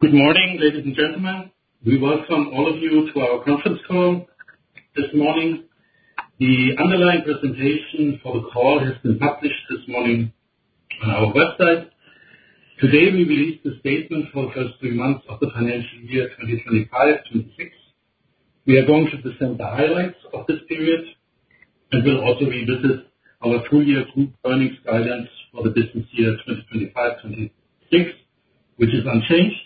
Good morning, ladies and gentlemen. We welcome all of you to our conference call this morning. The underlying presentation for the call has been published this morning on our website. Today, we released the statement for the first three months of the financial year 2025-26. We are going to present the highlights of this period and will also revisit our two-year group earnings guidance for the business year 2025-26, which is unchanged.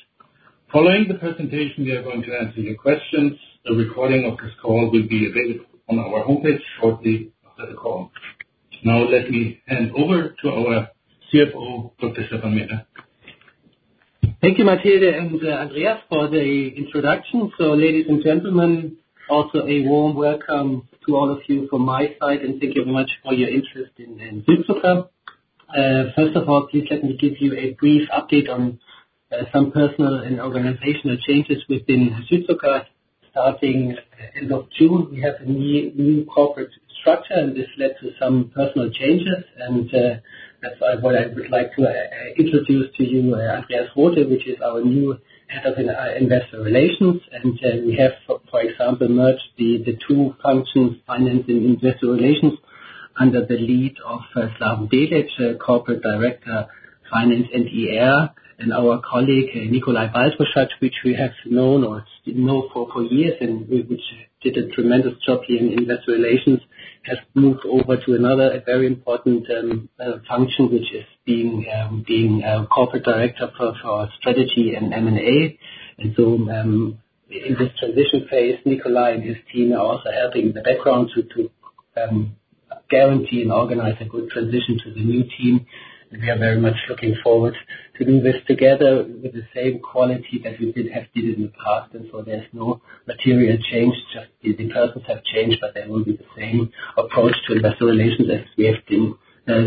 Following the presentation, we are going to answer your questions. The recording of this call will be available on our homepage shortly after the call. Now, let me hand over to our CFO, Dr. Stephan Meeder. Thank you, Matthieu and Andreas, for the introduction, so ladies and gentlemen, also a warm welcome to all of you from my side, and thank you very much for your interest in Südzucker. First of all, please let me give you a brief update on some personal and organizational changes within Südzucker. Starting end of June, we have a new corporate structure, and this led to some personal changes, and that's why I would like to introduce to you Andreas Rothe, which is our new head of investor relations. And we have, for example, merged the two functions, finance and investor relations, under the lead of Slav Delić, Corporate Director Finance, and our colleague, Nikolai Baltruschat, which we have known or know for years, and which did a tremendous job here in investor relations, has moved over to another very important function, which is being Corporate Director for Strategy and M&A. And so, in this transition phase, Nikolai and his team are also helping in the background to guarantee and organize a good transition to the new team. We are very much looking forward to do this together with the same quality that we have done in the past. And so, there's no material change. Just the purpose has changed, but there will be the same approach to investor relations as we have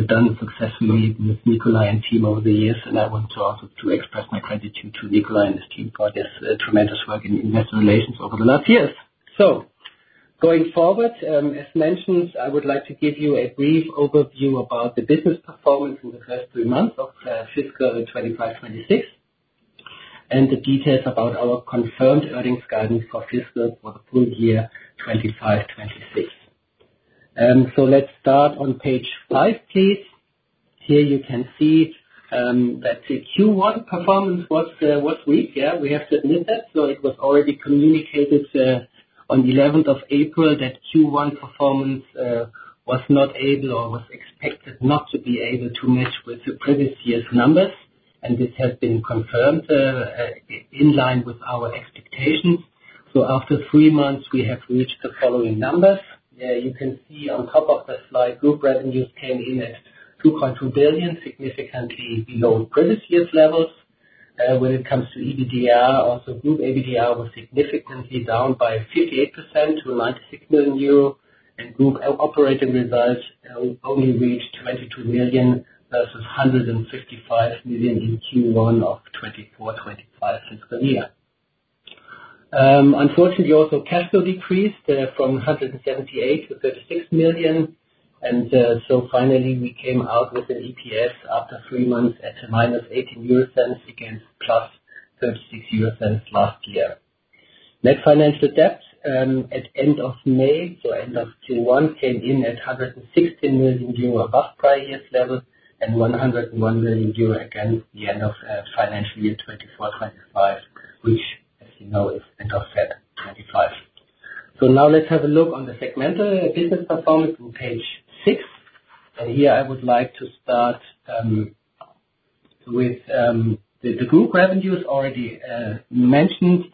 done successfully with Nikolai and team over the years. I want to also express my gratitude to Nikolai and his team for this tremendous work in investor relations over the last years. So, going forward, as mentioned, I would like to give you a brief overview about the business performance in the first three months of fiscal 25-26 and the details about our confirmed earnings guidance for fiscal for the full year 25-26. So, let's start on page five, please. Here, you can see that the Q1 performance was weak. Yeah, we have to admit that. So, it was already communicated on the 11th of April that Q1 performance was not able or was expected not to be able to match with the previous year's numbers. And this has been confirmed in line with our expectations. So, after three months, we have reached the following numbers. You can see on top of the slide, group revenues came in at 2.2 billion, significantly below previous year's levels. When it comes to EBITDA, also group EBITDA was significantly down by 58% to 96 million euro, and group operating results only reached 22 million versus 155 million in Q1 of 2024-25 fiscal year. Unfortunately, also cash flow decreased from 178 million to 36 million, and so, finally, we came out with an EPS after three months at minus 18 euro against plus 36 euro last year. Net financial debt at end of May, so end of Q1, came in at 116 million euro above prior year's level and 101 million euro against the end of financial year 2024-25, which, as you know, is end of February 2025, so now, let's have a look on the segmental business performance on page six. And here, I would like to start with the group revenues already mentioned.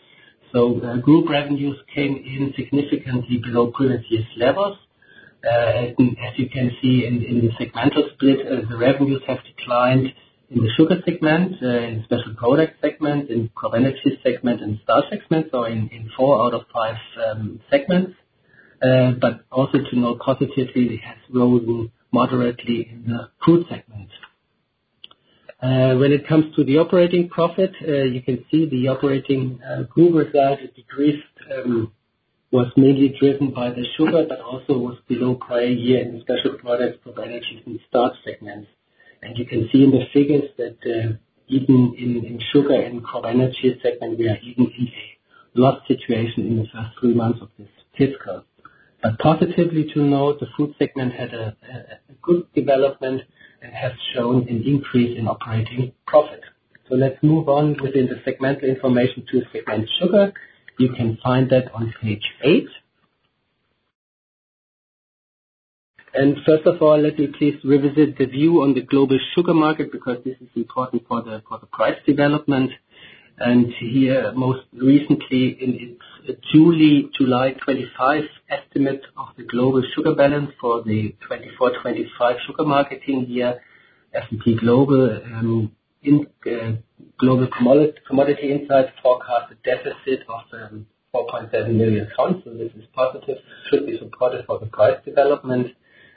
So, group revenues came in significantly below previous year's levels. As you can see in the segmental split, the revenues have declined in the sugar segment, in special products segment, in CropEnergies segment, and starch segment, so in four out of five segments. But also to note positively, it has risen moderately in the food segment. When it comes to the operating profit, you can see the operating group result decreased, was mainly driven by the sugar, but also was below prior year in special products, CropEnergies, and starch segments. And you can see in the figures that even in sugar and CropEnergies segment, we are even in a loss situation in the first three months of this fiscal. But positively to note, the food segment had a good development and has shown an increase in operating profit. So let's move on within the segmental information to segment sugar. You can find that on page eight. And first of all, let me please revisit the view on the global sugar market because this is important for the price development. And here, most recently, in its July 2025 estimate of the global sugar balance for the 2024-25 sugar marketing year, S&P Global Commodity Insights forecast a deficit of 4.7 million tons. So this is positive, should be supportive for the price development.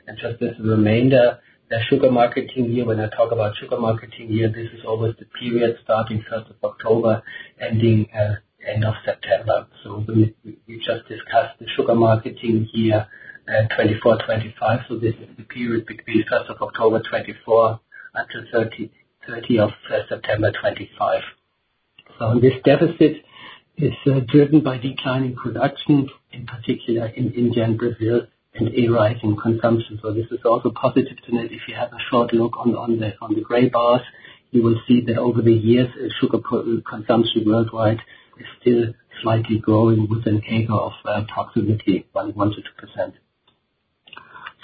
And just this reminder, the sugar marketing year, when I talk about sugar marketing year, this is always the period starting 1st of October ending end of September. So we just discussed the sugar marketing year 2024-25. So this is the period between 1st of October 2024 until 30th of September 2025. So this deficit is driven by declining production, in particular in India and Brazil, and a rising consumption. So this is also positive to note. If you have a short look on the gray bars, you will see that over the years, sugar consumption worldwide is still slightly growing with an anchor of approximately 1 to 2%.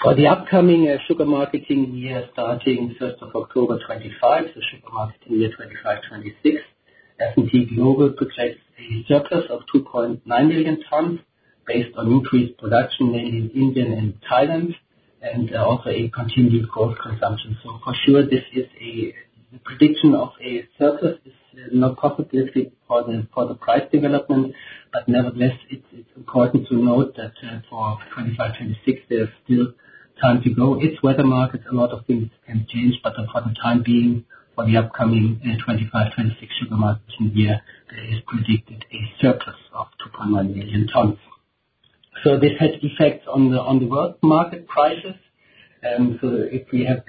For the upcoming sugar marketing year starting 1st of October 2025, so sugar marketing year 25-26, S&P Global projects a surplus of 2.9 million tons based on increased production, mainly in India and Thailand, and also a continued growth consumption. So for sure, this is a prediction of a surplus. It's not positive for the price development, but nevertheless, it's important to note that for 25-26, there's still time to go. It's weather markets. A lot of things can change, but for the time being, for the upcoming 2025-2026 sugar marketing year, there is predicted a surplus of 2.9 million tons. So this has effects on the world market prices. So if we have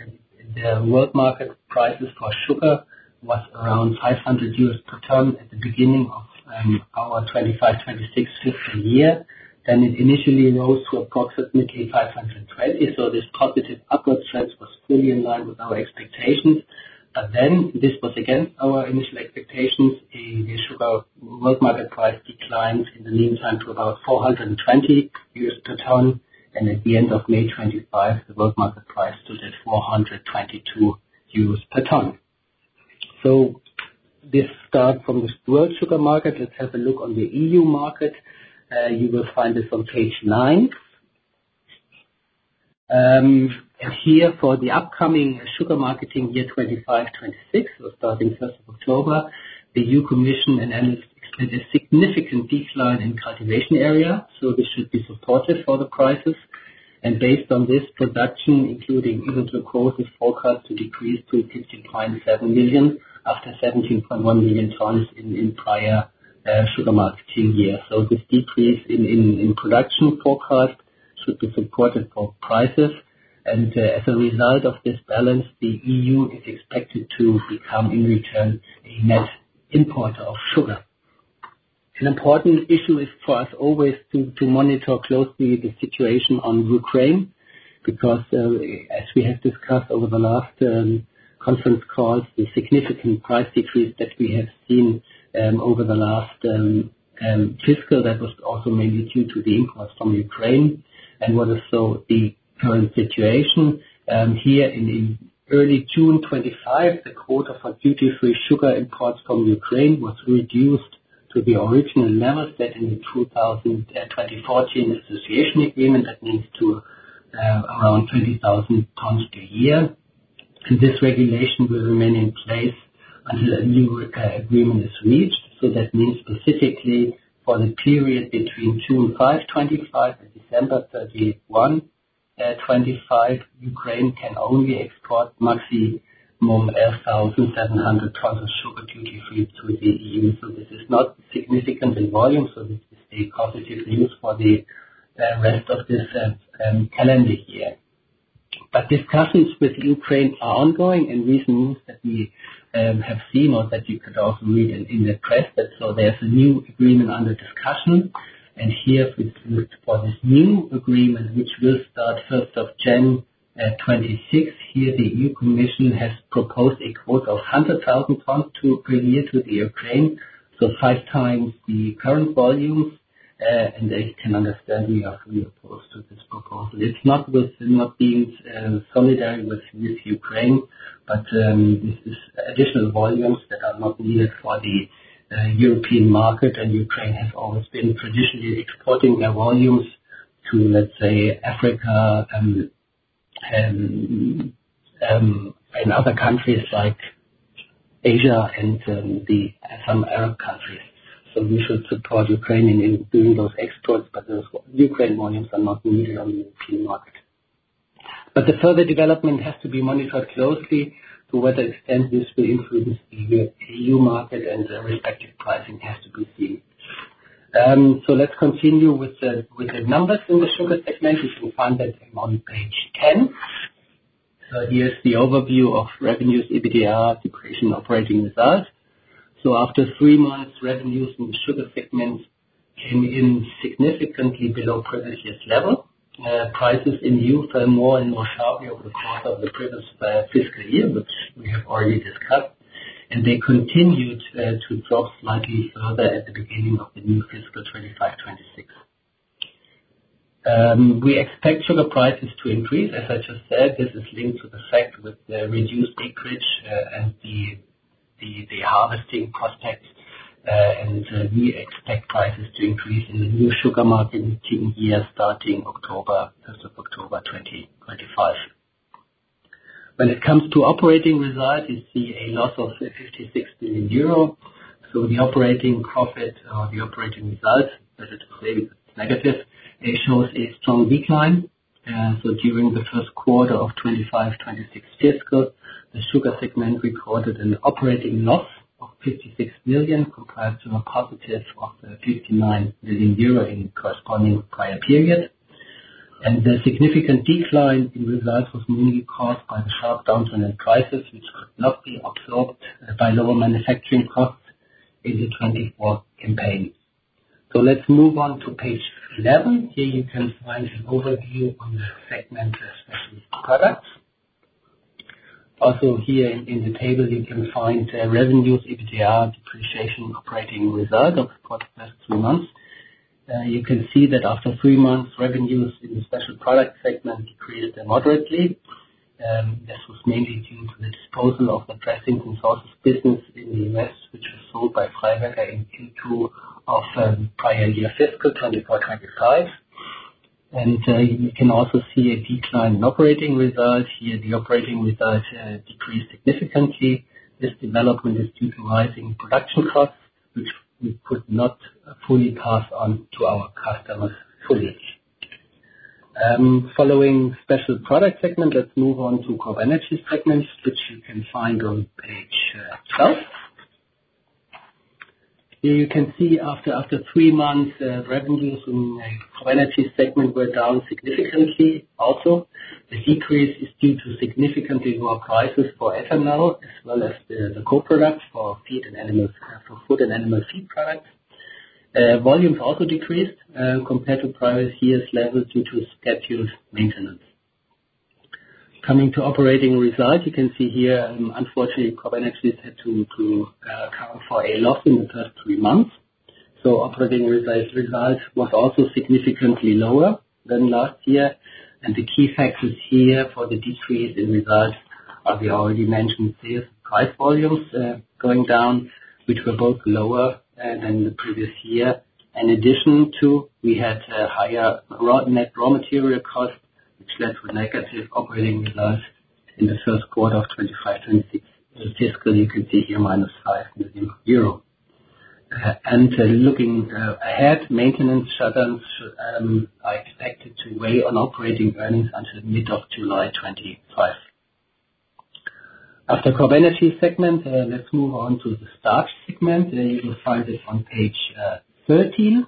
the world market prices for sugar was around 500 euros per ton at the beginning of our 2025-2026 fiscal year, then it initially rose to approximately 520. So this positive upward trend was fully in line with our expectations. But then this was against our initial expectations. The sugar world market price declined in the meantime to about 420 euros per ton. And at the end of May 2025, the world market price stood at 422 euros per ton. So this starts from the world sugar market. Let's have a look on the E.U. market. You will find this on page nine. Here, for the upcoming sugar marketing year 25-26, so starting 1st of October, the E.U. Commission and analysts expect a significant decline in cultivation area. This should be supportive for the prices. Based on this, production, including even glucose, is forecast to decrease to 15.7 million after 17.1 million tons in prior sugar marketing years. This decrease in production forecast should be supportive for prices. As a result of this balance, the E.U. is expected to become, in return, a net importer of sugar. An important issue is for us always to monitor closely the situation on Ukraine because, as we have discussed over the last conference calls, the significant price decrease that we have seen over the last fiscal, that was also mainly due to the imports from Ukraine. What is so the current situation? Here, in early June 2025, the quota for duty-free sugar imports from Ukraine was reduced to the original levels set in the 2014 association agreement. That means to around 20,000 tons per year, and this regulation will remain in place until a new agreement is reached, so that means specifically for the period between June 5, 2025, and December 31, 2025, Ukraine can only export maximum 1,700 tons of sugar duty-free to the EU, so this is not significant in volume, so this is a positive news for the rest of this calendar year, but discussions with Ukraine are ongoing, and recent news that we have seen, or that you could also read in the press, that there's a new agreement under discussion. And here, for this new agreement, which will start 1st of January 2026, here, the E.U. Commission has proposed a quota of 100,000 tons to bring here to the Ukraine, so five times the current volumes. And as you can understand, we are fully opposed to this proposal. It's not with not being solidary with Ukraine, but this is additional volumes that are not needed for the European market. And Ukraine has always been traditionally exporting their volumes to, let's say, Africa and other countries like Asia and then some Arab countries. So we should support Ukraine in doing those exports, but those Ukraine volumes are not needed on the European market. But the further development has to be monitored closely to what extent this will influence the E.U. market, and the respective pricing has to be seen. So let's continue with the numbers in the sugar segment. You can find that on page 10, so here's the overview of revenues, EBITDA, depreciation, operating results, so after three months, revenues in the sugar segment came in significantly below previous year's level. Prices in E.U. fell more and more sharply over the course of the previous fiscal year, which we have already discussed, and they continued to drop slightly further at the beginning of the new fiscal 25-26. We expect sugar prices to increase. As I just said, this is linked to the fact with the reduced acreage and the harvesting prospect, and we expect prices to increase in the new sugar marketing year starting October 1st of October 2025. When it comes to operating result, you see a loss of 56 million euro, so the operating profit or the operating result, let's say it's negative, shows a strong decline. During the first quarter of 25-26 fiscal, the sugar segment recorded an operating loss of 56 million compared to a positive of 59 million euro in corresponding prior period. The significant decline in results was mainly caused by the sharp downturn in prices, which could not be absorbed by lower manufacturing costs in the 24 campaign. Let's move on to page 11. Here you can find an overview on the segment special products. Also here in the table, you can find revenues, EBITDA, depreciation, operating result over the course of the last three months. You can see that after three months, revenues in the special product segment decreased moderately. This was mainly due to the disposal of the dressing and sauces business in the U.S., which was sold by Freiberger in Q2 of prior year fiscal 24-25. You can also see a decline in operating result. Here, the operating result decreased significantly. This development is due to rising production costs, which we could not fully pass on to our customers. Following special product segment, let's move on to crop energy segments, which you can find on page 12. Here you can see after three months, revenues in the crop energy segment were down significantly. Also, the decrease is due to significantly lower prices for ethanol, as well as the co-products for food and animal feed products. Volumes also decreased compared to prior year's levels due to scheduled maintenance. Coming to operating result, you can see here, unfortunately, CropEnergies had to account for a loss in the first three months. So operating result was also significantly lower than last year. The key factors here for the decrease in result are the already mentioned sales price volumes going down, which were both lower than the previous year. In addition, we had higher net raw material costs, which led to negative operating results in the first quarter of 2025-26 fiscal. You can see here minus 5 million. Looking ahead, maintenance shutdowns are expected to weigh on operating earnings until mid-July 2025. After CropEnergies segment, let's move on to the starch segment. You will find it on page 13.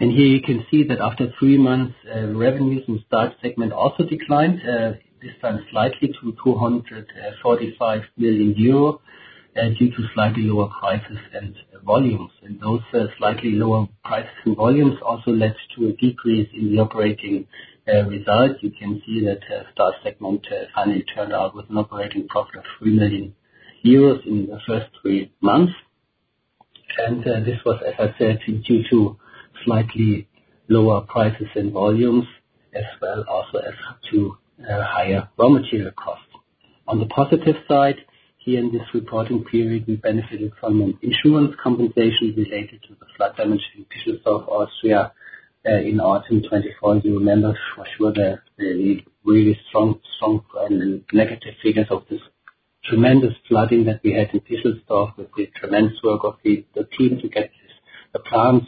Here you can see that after three months, revenues in starch segment also declined, this time slightly to 245 million euro due to slightly lower prices and volumes. Those slightly lower prices and volumes also led to a decrease in the operating result. You can see that starch segment finally turned out with an operating profit of 3 million euros in the first three months. And this was, as I said, due to slightly lower prices and volumes, as well also as to higher raw material costs. On the positive side, here in this reporting period, we benefited from insurance compensation related to the flood damage in Pischelsdorf, Austria, in autumn 2024. You remember for sure the really strong and negative figures of this tremendous flooding that we had in Pischelsdorf with the tremendous work of the team to get the plants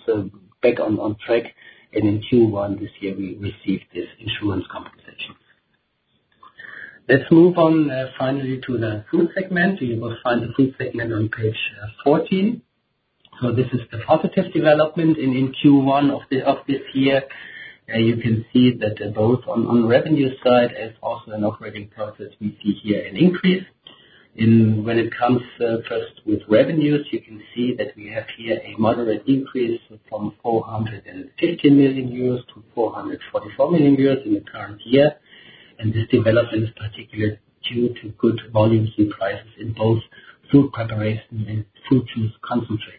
back on track. And in Q1 this year, we received this insurance compensation. Let's move on finally to the food segment. You will find the food segment on page 14. So this is the positive development in Q1 of this year. You can see that both on revenue side as also in operating profit, we see here an increase. When it comes first with revenues, you can see that we have here a moderate increase from 415 million euros to 444 million euros in the current year, and this development is particularly due to good volumes and prices in both fruit preparations and fruit juice concentrates.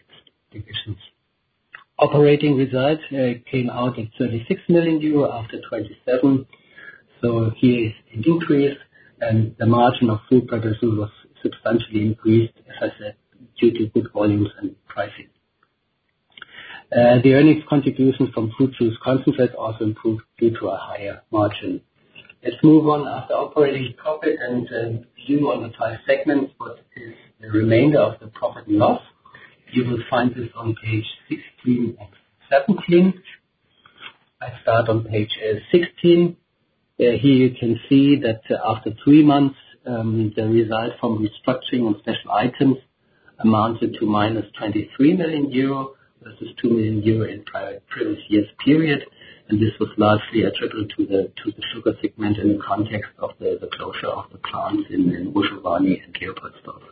Operating result came out at 36 million euro after 27, so here is an increase, and the margin of fruit preparations was substantially increased, as I said, due to good volumes and pricing. The earnings contribution from fruit juice concentrates also improved due to a higher margin. Let's move on after operating profit and view on the five segments what is the remainder of the profit and loss. You will find this on page 16 and 17. I start on page 16. Here you can see that after three months, the result from restructuring of special items amounted to minus 23 million euro versus 2 million euro in prior previous year's period. This was largely attributable to the sugar segment in the context of the closure of the plants in Warmsen and Leopoldsdorf.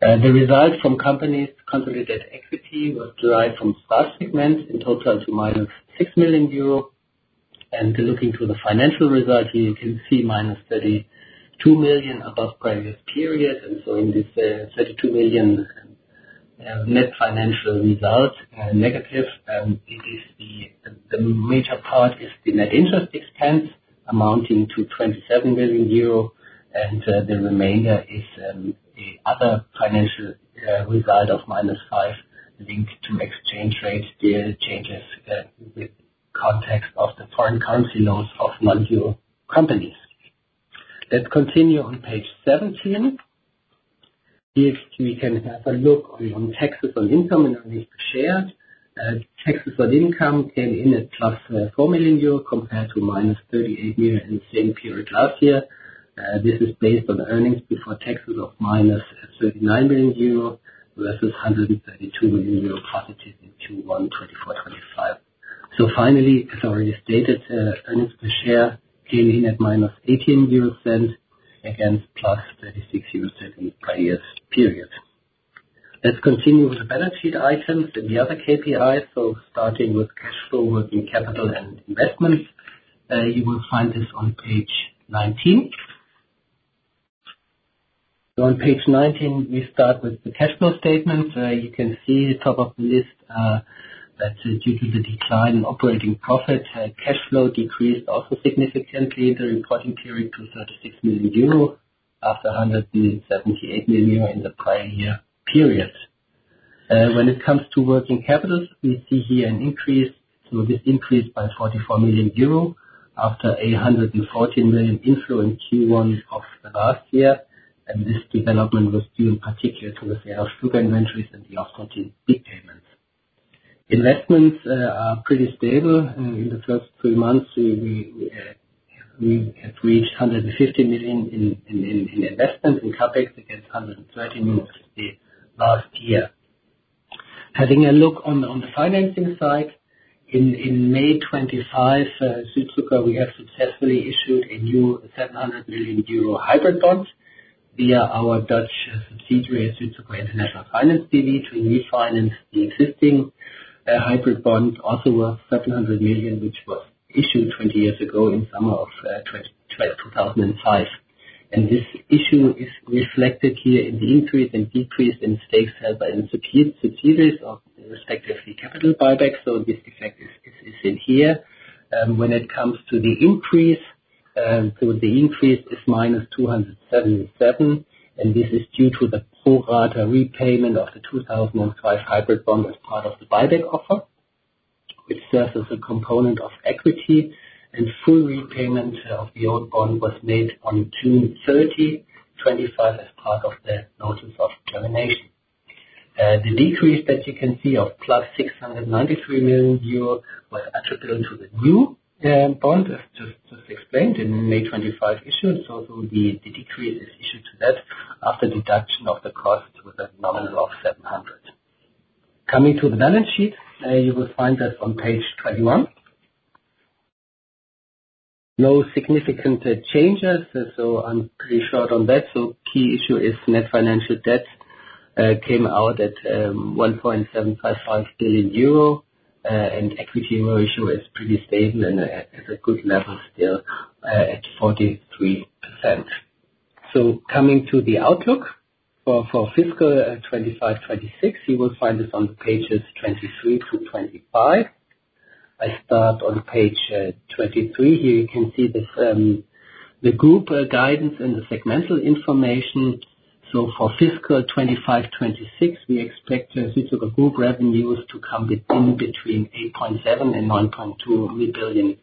The result from companies' consolidated equity was derived from starch segment in total to minus 6 million euro. Looking to the financial result, you can see minus 32 million above previous period. In this 32 million net financial result, negative, the major part is the net interest expense amounting to 27 million euro. The remainder is the other financial result of minus 5 million linked to exchange rate changes with context of the foreign currency loans of non-EU companies. Let's continue on page 17. Here we can have a look on taxes on income and earnings per share. Taxes on income came in at +4 million euro compared to -38 million in the same period last year. This is based on earnings before taxes of -39 million euro versus +132 million euro in Q1 2024-25. So finally, as already stated, earnings per share came in at -0.18 against +0.36 in the prior year's period. Let's continue with the balance sheet items and the other KPIs. So starting with cash flow, working capital, and investments. You will find this on page 19. On page 19, we start with the cash flow statement. You can see at the top of the list that due to the decline in operating profit, cash flow decreased also significantly in the reporting period to 36 million euro after 178 million euro in the prior year period. When it comes to working capital, we see here an increase. So this increased by 44 million euro after an 114 million inflow in Q1 of last year. And this development was due in particular to the sale of sugar inventories and the offsetting big payments. Investments are pretty stable. In the first three months, we have reached 150 million in investment in CapEx against 130 million last year. Having a look on the financing side, in May 2025, Südzucker, we have successfully issued a new 700 million euro hybrid bond via our Dutch subsidiary, Südzucker International Finance B.V., to refinance the existing hybrid bond, also worth 700 million, which was issued 20 years ago in summer of 2005. And this issue is reflected here in the increase and decrease in stakes held by the subsidiaries of respectively capital buyback. So this effect is in here. When it comes to the increase, the increase is minus 277. And this is due to the pro rata repayment of the 2005 hybrid bond as part of the buyback offer, which serves as a component of equity. And full repayment of the old bond was made on June 30, 2025 as part of the notice of termination. The decrease that you can see of 693 million euro was attributable to the new bond, as just explained in May 25 issuance. So the decrease is issued to that after deduction of the cost with a nominal of 700. Coming to the balance sheet, you will find that on page 21, no significant changes. So I'm pretty short on that. So key issue is net financial debt came out at 1.755 billion euro. And equity ratio is pretty stable and at a good level still at 43%. So coming to the outlook for fiscal 25-26, you will find this on the pages 23 to 25. I start on page 23. Here you can see the group guidance and the segmental information. So for fiscal 25-26, we expect Südzucker Group revenues to come in between 8.7 million and 9.2 million.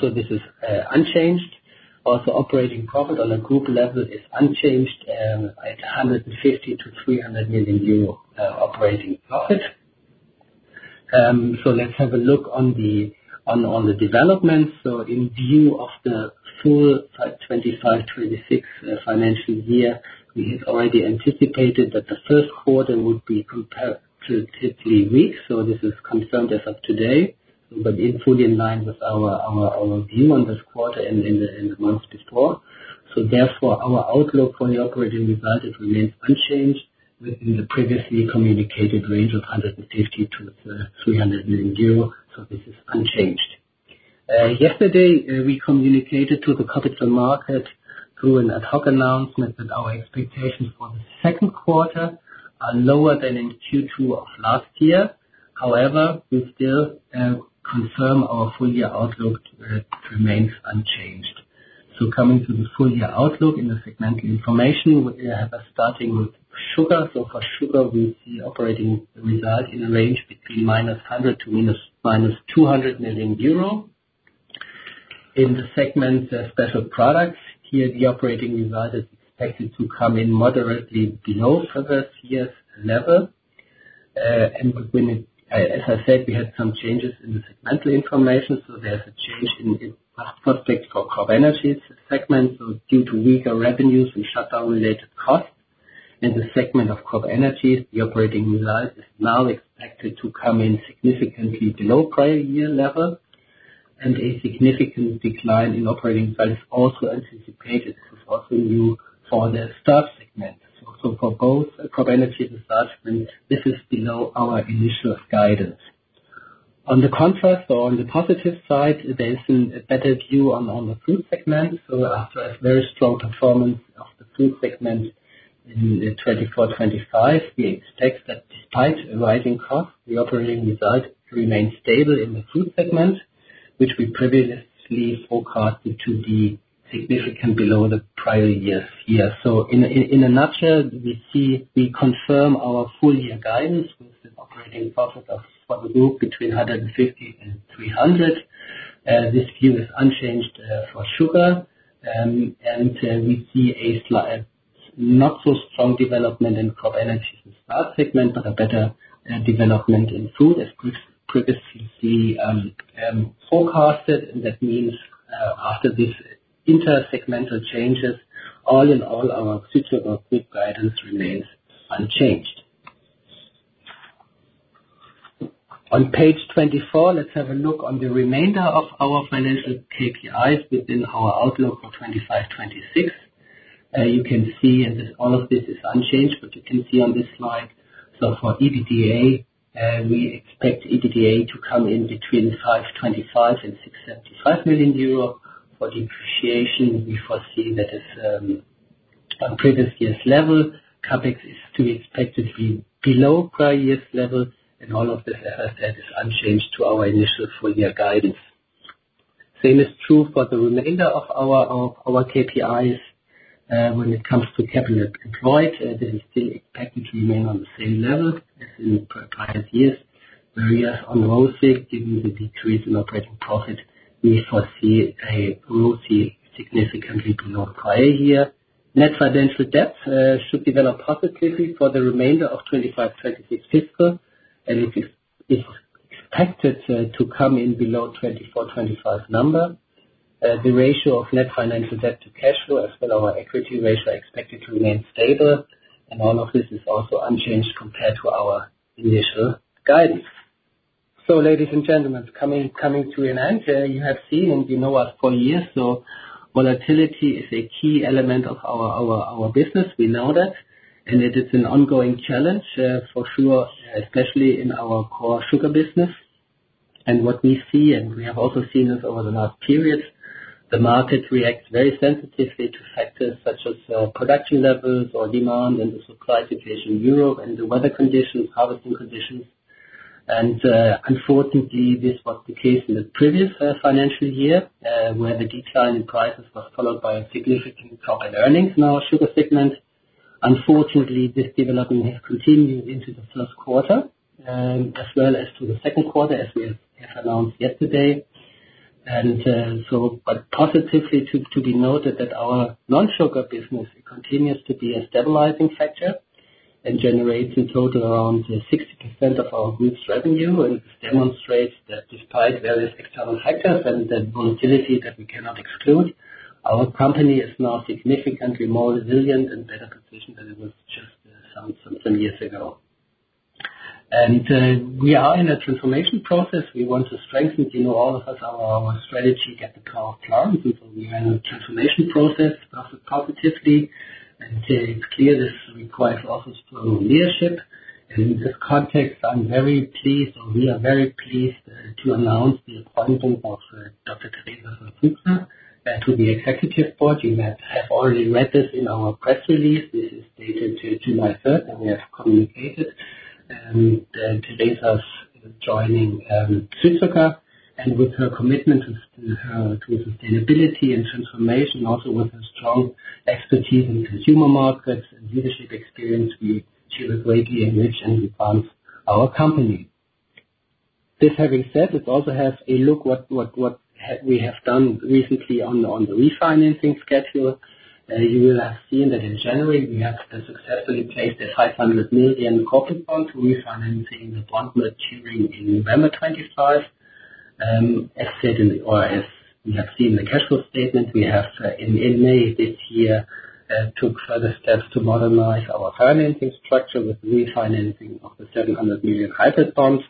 So this is unchanged. Also, operating profit on a group level is unchanged at 150 million-300 million euro operating profit. So let's have a look on the development. So in view of the full 25-26 financial year, we had already anticipated that the first quarter would be comparatively weak. So this is confirmed as of today, but fully in line with our view on this quarter and the months before. So therefore, our outlook for the operating result remains unchanged within the previously communicated range of 150 million-300 million euro. So this is unchanged. Yesterday, we communicated to the capital market through an ad hoc announcement that our expectations for the second quarter are lower than in Q2 of last year. However, we still confirm our full year outlook remains unchanged. So coming to the full year outlook in the segmental information, we have a starting with sugar. For sugar, we see operating result in a range between minus 100 million euros to minus 200 million euro. In the special products segment, here the operating result is expected to come in moderately below previous year's level. And as I said, we had some changes in the segmental information. There's a change in prospects for CropEnergies segment. Due to weaker revenues and shutdown-related costs in the CropEnergies segment, the operating result is now expected to come in significantly below prior year level. And a significant decline in operating result is also anticipated. This is also new for the starch segment. For both CropEnergies and starch segment, this is below our initial guidance. On the contrast, or on the positive side, there is a better view on the food segment. After a very strong performance of the food segment in 2024-25, we expect that despite rising costs, the operating result remains stable in the food segment, which we previously forecasted to be significantly below the prior year. In a nutshell, we confirm our full year guidance with an operating profit for the group between 150 and 300. This view is unchanged for sugar. We see a not-so-strong development in CropEnergies and starch segment, but a better development in food as previously forecasted. That means after these intersegmental changes, all in all, our Südzucker group guidance remains unchanged. On page 24, let's have a look on the remainder of our financial KPIs within our outlook for 2025-26. You can see all of this is unchanged, but you can see on this slide. For EBITDA, we expect EBITDA to come in between 525 and 675 million euro. For depreciation, we foresee that it's on previous year's level. CapEx is to be expected to be below prior year's level. All of this, as I said, is unchanged to our initial full year guidance. Same is true for the remainder of our KPIs. When it comes to capital employed, this is still expected to remain on the same level as in prior years. Whereas on ROCE, given the decrease in operating profit, we foresee a ROCE significantly below prior year. Net financial debt should develop positively for the remainder of 2025-26 fiscal. It is expected to come in below 2024-25 number. The ratio of net financial debt to cash flow, as well as our equity ratio, are expected to remain stable. All of this is also unchanged compared to our initial guidance. So, ladies and gentlemen, coming to an end, you have seen, and you know us for years, so volatility is a key element of our business. We know that. It is an ongoing challenge for sure, especially in our core sugar business. What we see, and we have also seen this over the last period, the market reacts very sensitively to factors such as production levels or demand and the supply situation in Europe and the weather conditions, harvesting conditions. Unfortunately, this was the case in the previous financial year, where the decline in prices was followed by significant profit and earnings in our sugar segment. Unfortunately, this development has continued into the first quarter, as well as to the second quarter, as we have announced yesterday. Positively to be noted that our non-sugar business continues to be a stabilizing factor and generates a total around 60% of our group's revenue. This demonstrates that despite various external factors and the volatility that we cannot exclude, our company is now significantly more resilient and better positioned than it was just some years ago. We are in a transformation process. We want to strengthen, all of us, our strategic ethical plans. We are in a transformation process positively. It's clear this requires also strong leadership. In this context, I'm very pleased, or we are very pleased to announce the appointment of Dr. Theresa von Fugler to the executive board. You have already read this in our press release. This is dated July 3rd, and we have communicated. Teresa's joining Südzucker. With her commitment to sustainability and transformation, also with her strong expertise in consumer markets and leadership experience, she will greatly enrich and advance our company. That having been said, let's also have a look at what we have done recently on the refinancing schedule. You will have seen that in January, we have successfully placed a 500 million corporate bond, refinancing the bond maturing in November 2025. As said in the, or as we have seen in the cash flow statement, we have in May this year took further steps to modernize our financing structure with refinancing of the 700 million hybrid bonds.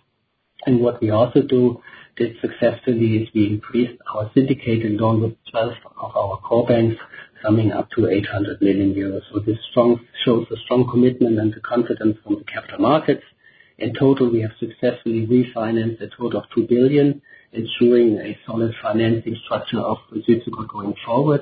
And what we also did successfully is we increased our syndicated loan with 12 of our core banks, summing up to 800 million euros. So this shows a strong commitment and the confidence from the capital markets. In total, we have successfully refinanced a total of 2 billion, ensuring a solid financing structure of Südzucker going forward.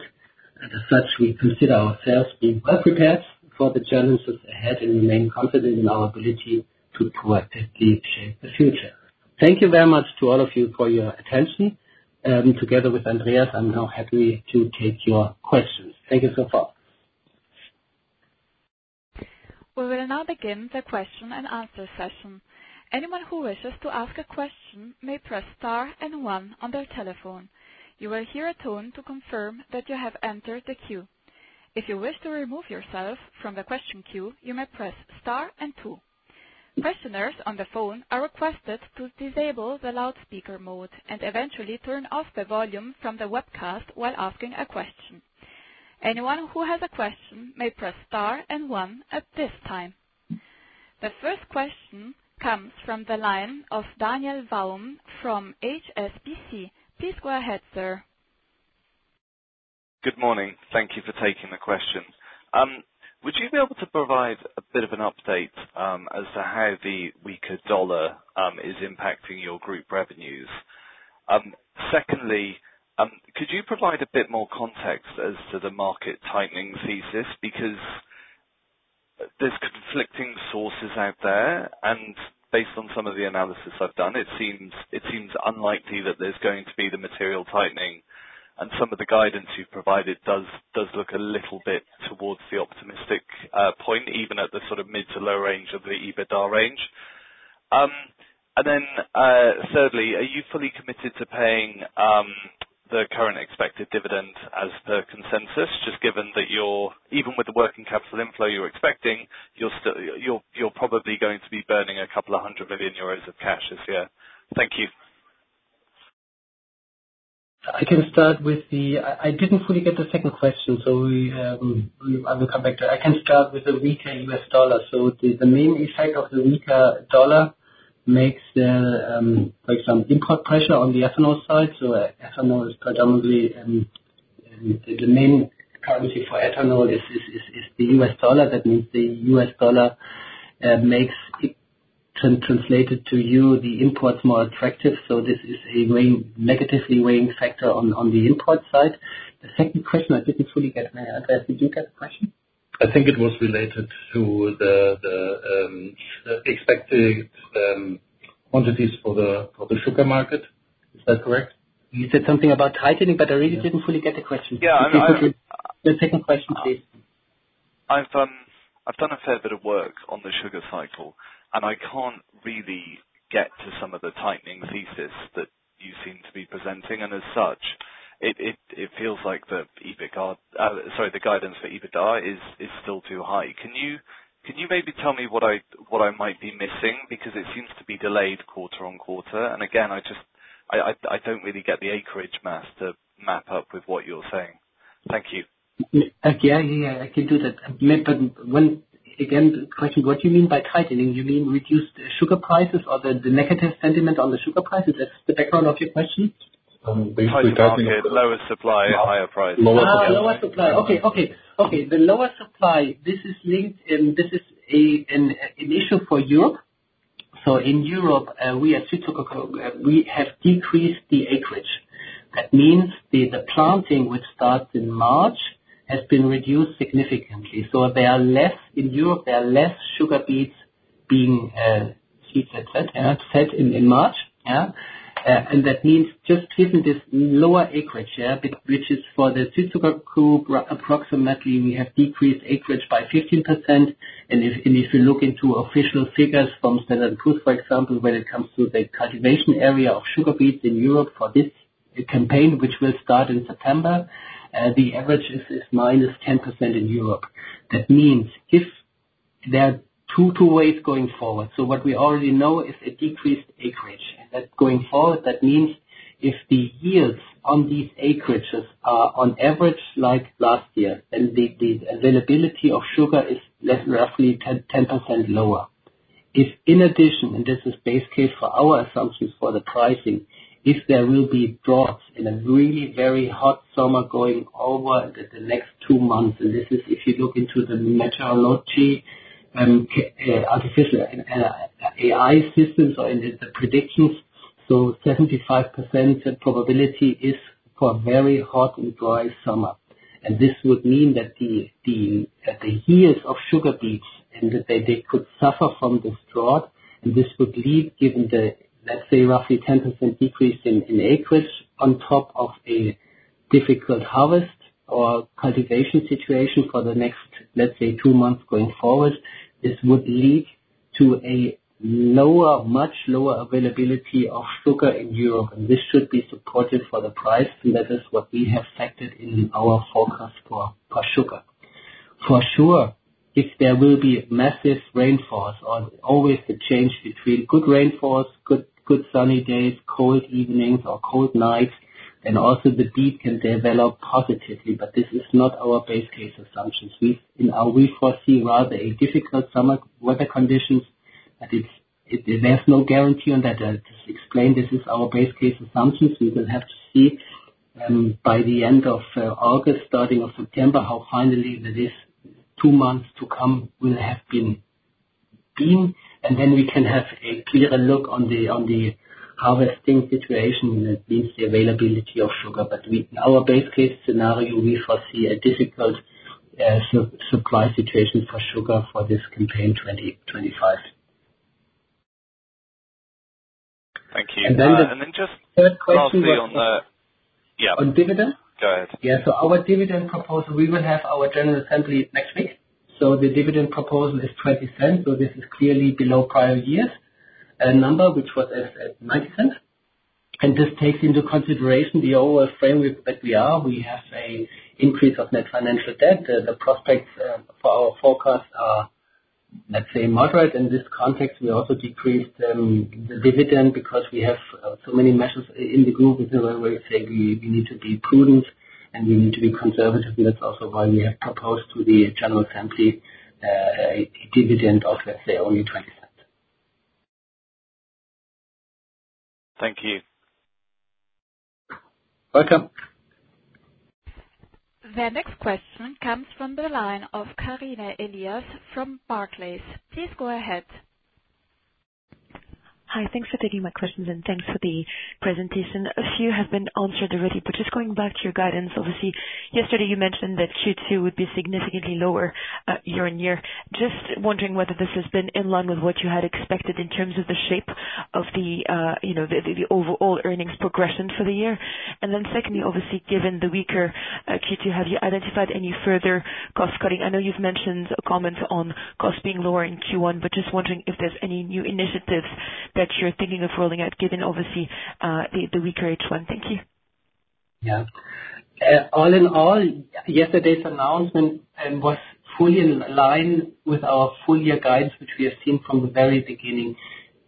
As such, we consider ourselves being well prepared for the challenges ahead and remain confident in our ability to proactively shape the future. Thank you very much to all of you for your attention. Together with Andreas, I'm now happy to take your questions. Thank you so far. We will now begin the question and answer session. Anyone who wishes to ask a question may press star and one on their telephone. You will hear a tone to confirm that you have entered the queue. If you wish to remove yourself from the question queue, you may press star and two. Questioners on the phone are requested to disable the loudspeaker mode and eventually turn off the volume from the webcast while asking a question. Anyone who has a question may press star and one at this time. The first question comes from the line of Daniel Vaughan from HSBC. Please go ahead, sir. Good morning. Thank you for taking the question. Would you be able to provide a bit of an update as to how the weaker dollar is impacting your group revenues? Secondly, could you provide a bit more context as to the market tightening thesis? Because there's conflicting sources out there, and based on some of the analysis I've done, it seems unlikely that there's going to be the material tightening, and some of the guidance you've provided does look a little bit towards the optimistic point, even at the sort of mid to low range of the EBITDA range, and then thirdly, are you fully committed to paying the current expected dividend as per consensus? Just given that you're, even with the working capital inflow you're expecting, you're probably going to be burning a couple of hundred million EUR of cash this year. Thank you. I can start with the, I didn't fully get the second question, so I will come back to it. I can start with the weaker U.S. dollar. So the main effect of the weaker dollar makes, for example, import pressure on the ethanol side. So ethanol is predominantly, the main currency for ethanol is the U.S. dollar. That means the U.S. dollar makes, translated to you, the imports more attractive. So this is a negatively weighing factor on the import side. The second question, I didn't fully get my answer. Did you get the question? I think it was related to the expected quantities for the sugar market. Is that correct? You said something about tightening, but I really didn't fully get the question. Yeah. The second question, please. I've done a fair bit of work on the sugar cycle, and I can't really get to some of the tightening thesis that you seem to be presenting. And as such, it feels like the EBITDA, sorry, the guidance for EBITDA is still too high. Can you maybe tell me what I might be missing? Because it seems to be delayed quarter on quarter. And again, I don't really get the acreage math to map up with what you're saying. Thank you. Okay. Yeah, yeah, yeah. I can do that. Again, the question, what do you mean by tightening? You mean reduced sugar prices or the negative sentiment on the sugar prices? That's the background of your question. Basically, tightening is lower supply, higher price. Lower supply. Okay, okay. Okay. The lower supply, this is linked in, this is an issue for Europe, so in Europe, we have decreased the acreage. That means the planting which starts in March has been reduced significantly, so there are less, in Europe, there are less sugar beets being set in March. Yeah, and that means just given this lower acreage here, which is for the Südzucker group, approximately we have decreased acreage by 15%. And if you look into official figures from Standard & Poor's, for example, when it comes to the cultivation area of sugar beets in Europe for this campaign, which will start in September, the average is -10% in Europe. That means if there are two ways going forward, so what we already know is a decreased acreage. And that going forward, that means if the yields on these acreages are on average like last year, then the availability of sugar is roughly 10% lower. If in addition, and this is base case for our assumptions for the pricing, if there will be drought in a really very hot summer going over the next two months, and this is if you look into the meteorology, artificial AI systems or in the predictions, so 75% probability is for a very hot and dry summer. And this would mean that the yields of sugar beets and that they could suffer from this drop. And this would lead, given the, let's say, roughly 10% decrease in acreage on top of a difficult harvest or cultivation situation for the next, let's say, two months going forward, this would lead to a lower, much lower availability of sugar in Europe. This should be supportive for the price. That is what we have factored in our forecast for sugar. For sure, if there will be massive rainfalls or always the change between good rainfalls, good sunny days, cold evenings, or cold nights, then also the beet can develop positively. This is not our base case assumptions. We foresee rather a difficult summer weather conditions. There's no guarantee on that. I just explained this is our base case assumptions. We will have to see by the end of August, starting of September, how finally that is two months to come will have been. Then we can have a clearer look on the harvesting situation and that means the availability of sugar. In our base case scenario, we foresee a difficult supply situation for sugar for this campaign 2025. Thank you. Just lastly on the. Third question is on dividend. Go ahead. Yeah. So our dividend proposal, we will have our general assembly next week. So the dividend proposal is 0.20. So this is clearly below prior years, a number which was at 0.90. And this takes into consideration the overall framework that we are. We have an increase of net financial debt. The prospects for our forecast are, let's say, moderate. In this context, we also decreased the dividend because we have so many measures in the group where we say we need to be prudent and we need to be conservative. And that's also why we have proposed to the general assembly a dividend of, let's say, only 0.20. Thank you. Welcome. The next question comes from the line of Karine Elias from Barclays. Please go ahead. Hi. Thanks for taking my questions, and thanks for the presentation. A few have been answered already, but just going back to your guidance, obviously, yesterday you mentioned that Q2 would be significantly lower year on year. Just wondering whether this has been in line with what you had expected in terms of the shape of the overall earnings progression for the year. And then secondly, obviously, given the weaker Q2, have you identified any further cost cutting? I know you've mentioned comments on cost being lower in Q1, but just wondering if there's any new initiatives that you're thinking of rolling out given, obviously, the weaker H1. Thank you. Yeah. All in all, yesterday's announcement was fully in line with our full year guidance, which we have seen from the very beginning.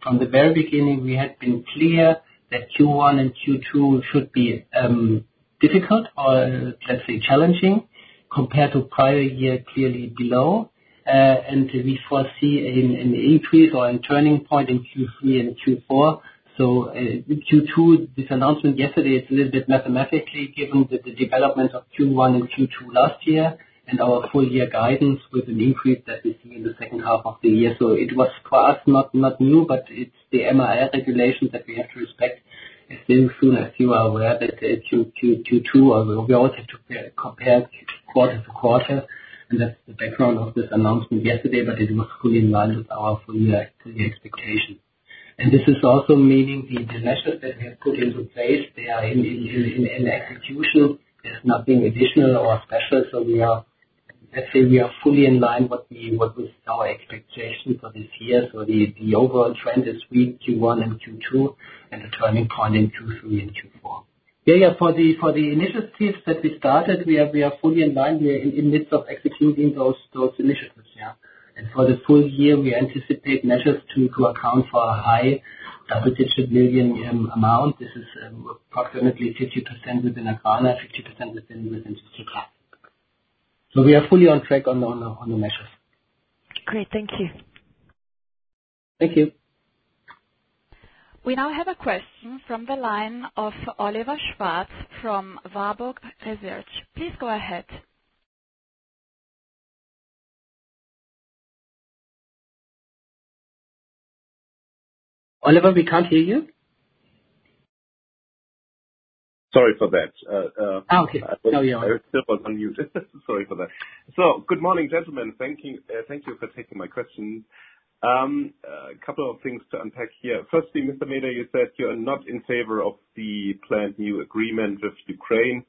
From the very beginning, we had been clear that Q1 and Q2 should be difficult or, let's say, challenging compared to prior year, clearly below. We foresee an increase or a turning point in Q3 and Q4. So, Q2 this announcement yesterday, it's a little bit mathematically given the development of Q1 and Q2 last year and our full year guidance with an increase that we see in the second half of the year. So it was for us not new, but it's the MAR regulation that we have to respect. As soon as you are aware, that Q2 we always have to compare quarter-to-quarter. And that's the background of this announcement yesterday, but it was fully in line with our full year expectations. And this is also meaning the measures that we have put into place, they are in execution. There's nothing additional or special. So let's say we are fully in line with our expectations for this year. So the overall trend is Q1 and Q2 and the turning point in Q3 and Q4. Yeah, yeah. For the initiatives that we started, we are fully in line. We are in the midst of executing those initiatives, yeah. And for the full year, we anticipate measures to account for a high double-digit million amount. This is approximately 50% within AGRANA, 50% within Südzucker. So we are fully on track on the measures. Great. Thank you. Thank you. We now have a question from the line of Oliver Schwarz from Warburg Research. Please go ahead. Oliver, we can't hear you. Sorry for that. Oh, okay. No, you're all right. I still was on mute. Sorry for that. So good morning, gentlemen. Thank you for taking my questions. A couple of things to unpack here. Firstly, Mr. Meeder, you said you are not in favor of the planned new agreement with Ukraine.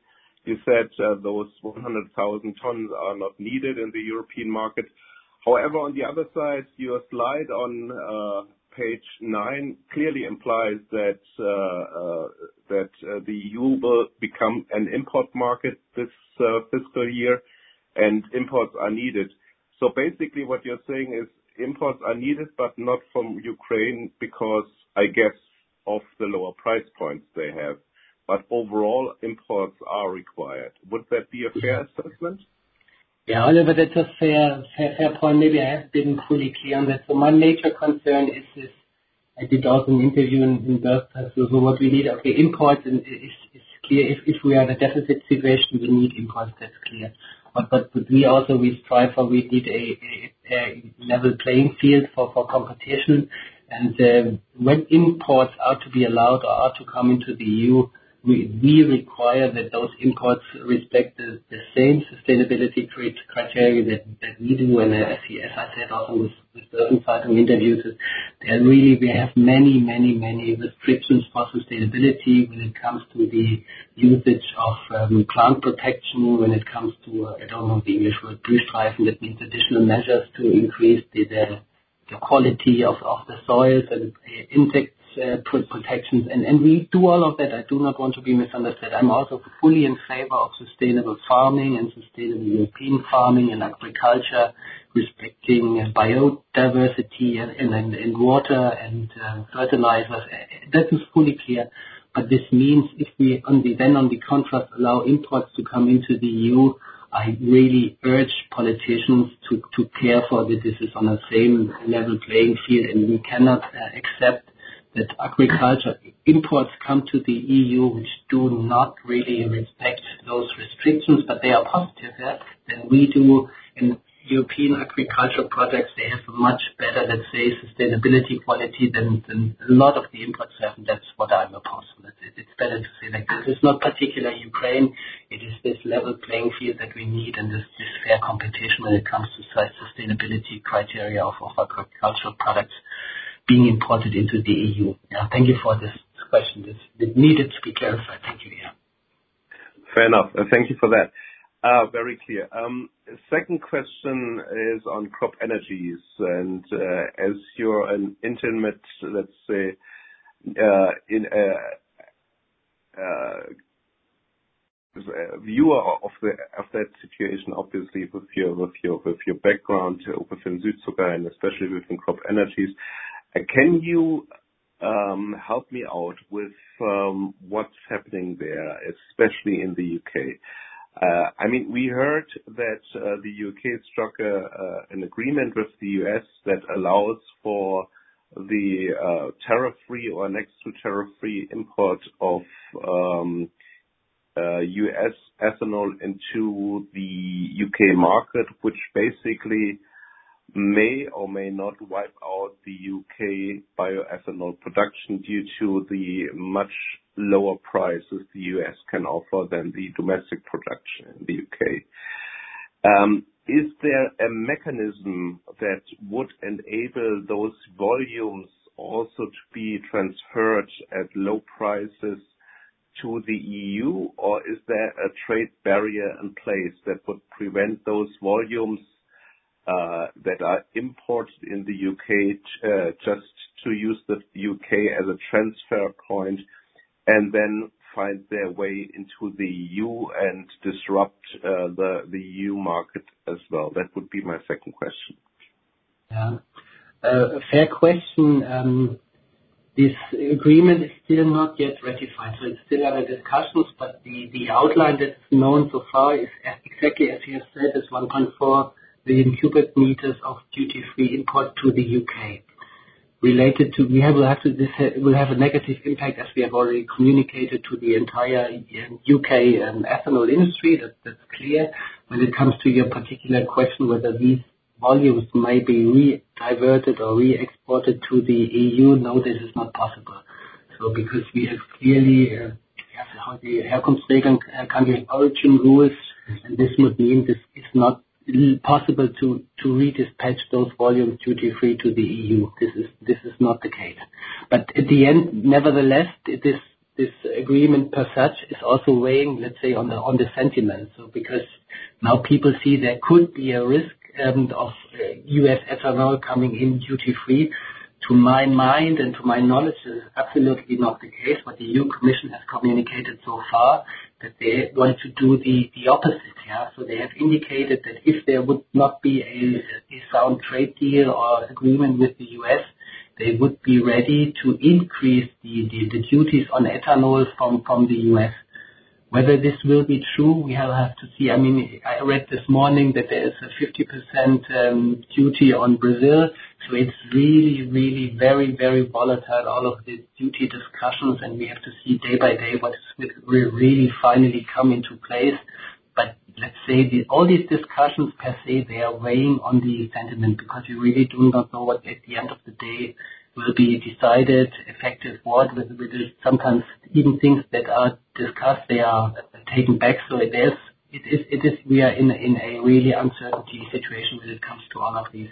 You said those 100,000 tons are not needed in the European market. However, on the other side, your slide on page nine clearly implies that the E.U. will become an import market this fiscal year, and imports are needed. So basically, what you're saying is imports are needed, but not from Ukraine because, I guess, of the lower price points they have. But overall, imports are required. Would that be a fair assessment? Yeah, Oliver, that's a fair point. Maybe I haven't been fully clear on that. So my major concern is this. I did also an interview in Bloomberg. So what we need, okay, imports is clear. If we are in a deficit situation, we need imports. That's clear. But we also strive for we need a level playing field for competition. When imports are to be allowed or are to come into the EU, we require that those imports respect the same sustainability criteria that we do. As I said also with Bloomberg in the interview, there really we have many, many, many restrictions for sustainability when it comes to the usage of plant protection, when it comes to, I don't know the English word, That means additional measures to increase the quality of the soils and insect protections. We do all of that. I do not want to be misunderstood. I'm also fully in favor of sustainable farming and sustainable European farming and agriculture, respecting biodiversity and water and fertilizers. That is fully clear. But this means if we then, in contrast, allow imports to come into the EU, I really urge politicians to care for that this is on the same level playing field. And we cannot accept that agricultural imports come to the EU, which do not really respect those restrictions, but they are positive. Then we do in European agricultural projects, they have a much better, let's say, sustainability quality than a lot of the imports have. And that's what I'm opposed. It's better to say like this. It's not particularly Ukraine. It is this level playing field that we need and this fair competition when it comes to sustainability criteria of agricultural products being imported into the EU. Yeah. Thank you for this question. This needed to be clarified. Thank you. Yeah. Fair enough. Thank you for that. Very clear. Second question is on CropEnergies. As you're an intimate, let's say, viewer of that situation, obviously, with your background within Südzucker and especially within CropEnergies, can you help me out with what's happening there, especially in the U.K.? I mean, we heard that the U.K. struck an agreement with the U.S. that allows for the tariff-free or next-to-tariff-free import of U.S. ethanol into the U.K. market, which basically may or may not wipe out the U.K. bioethanol production due to the much lower prices the U.S. can offer than the domestic production in the U.K. Is there a mechanism that would enable those volumes also to be transferred at low prices to the EU, or is there a trade barrier in place that would prevent those volumes that are imported in the U.K. just to use the U.K. as a transfer point and then find their way into the E.U. and disrupt the E.U. market as well? That would be my second question. Fair question. This agreement is still not yet ratified, so it's still under discussions, but the outline that's known so far is exactly as you have said, is 1.4 million cubic meters of duty-free import to the UK. Related to, we will have a negative impact, as we have already communicated, to the entire U.K. ethanol industry. That's clear. When it comes to your particular question whether these volumes may be redirected or re-exported to the EU, no, this is not possible. So because we have clearly, we have the Herkunftsregeln, country of origin rules, and this would mean this is not possible to redispatch those volumes duty-free to the E.U. This is not the case. But at the end, nevertheless, this agreement per se is also weighing, let's say, on the sentiment. So because now people see there could be a risk of U.S. ethanol coming in duty-free, to my mind and to my knowledge, it's absolutely not the case. But the E.U. Commission has communicated so far that they want to do the opposite, yeah. So they have indicated that if there would not be a sound trade deal or agreement with the US, they would be ready to increase the duties on ethanol from the US. Whether this will be true, we will have to see. I mean, I read this morning that there is a 50% duty on Brazil. So it's really, really very, very volatile, all of the duty discussions. And we have to see day by day what is really finally coming into place. But let's say all these discussions, per se, they are weighing on the sentiment because you really do not know what at the end of the day will be decided, effective what. Sometimes even things that are discussed, they are taken back. So it is, we are in a really uncertain situation when it comes to all of these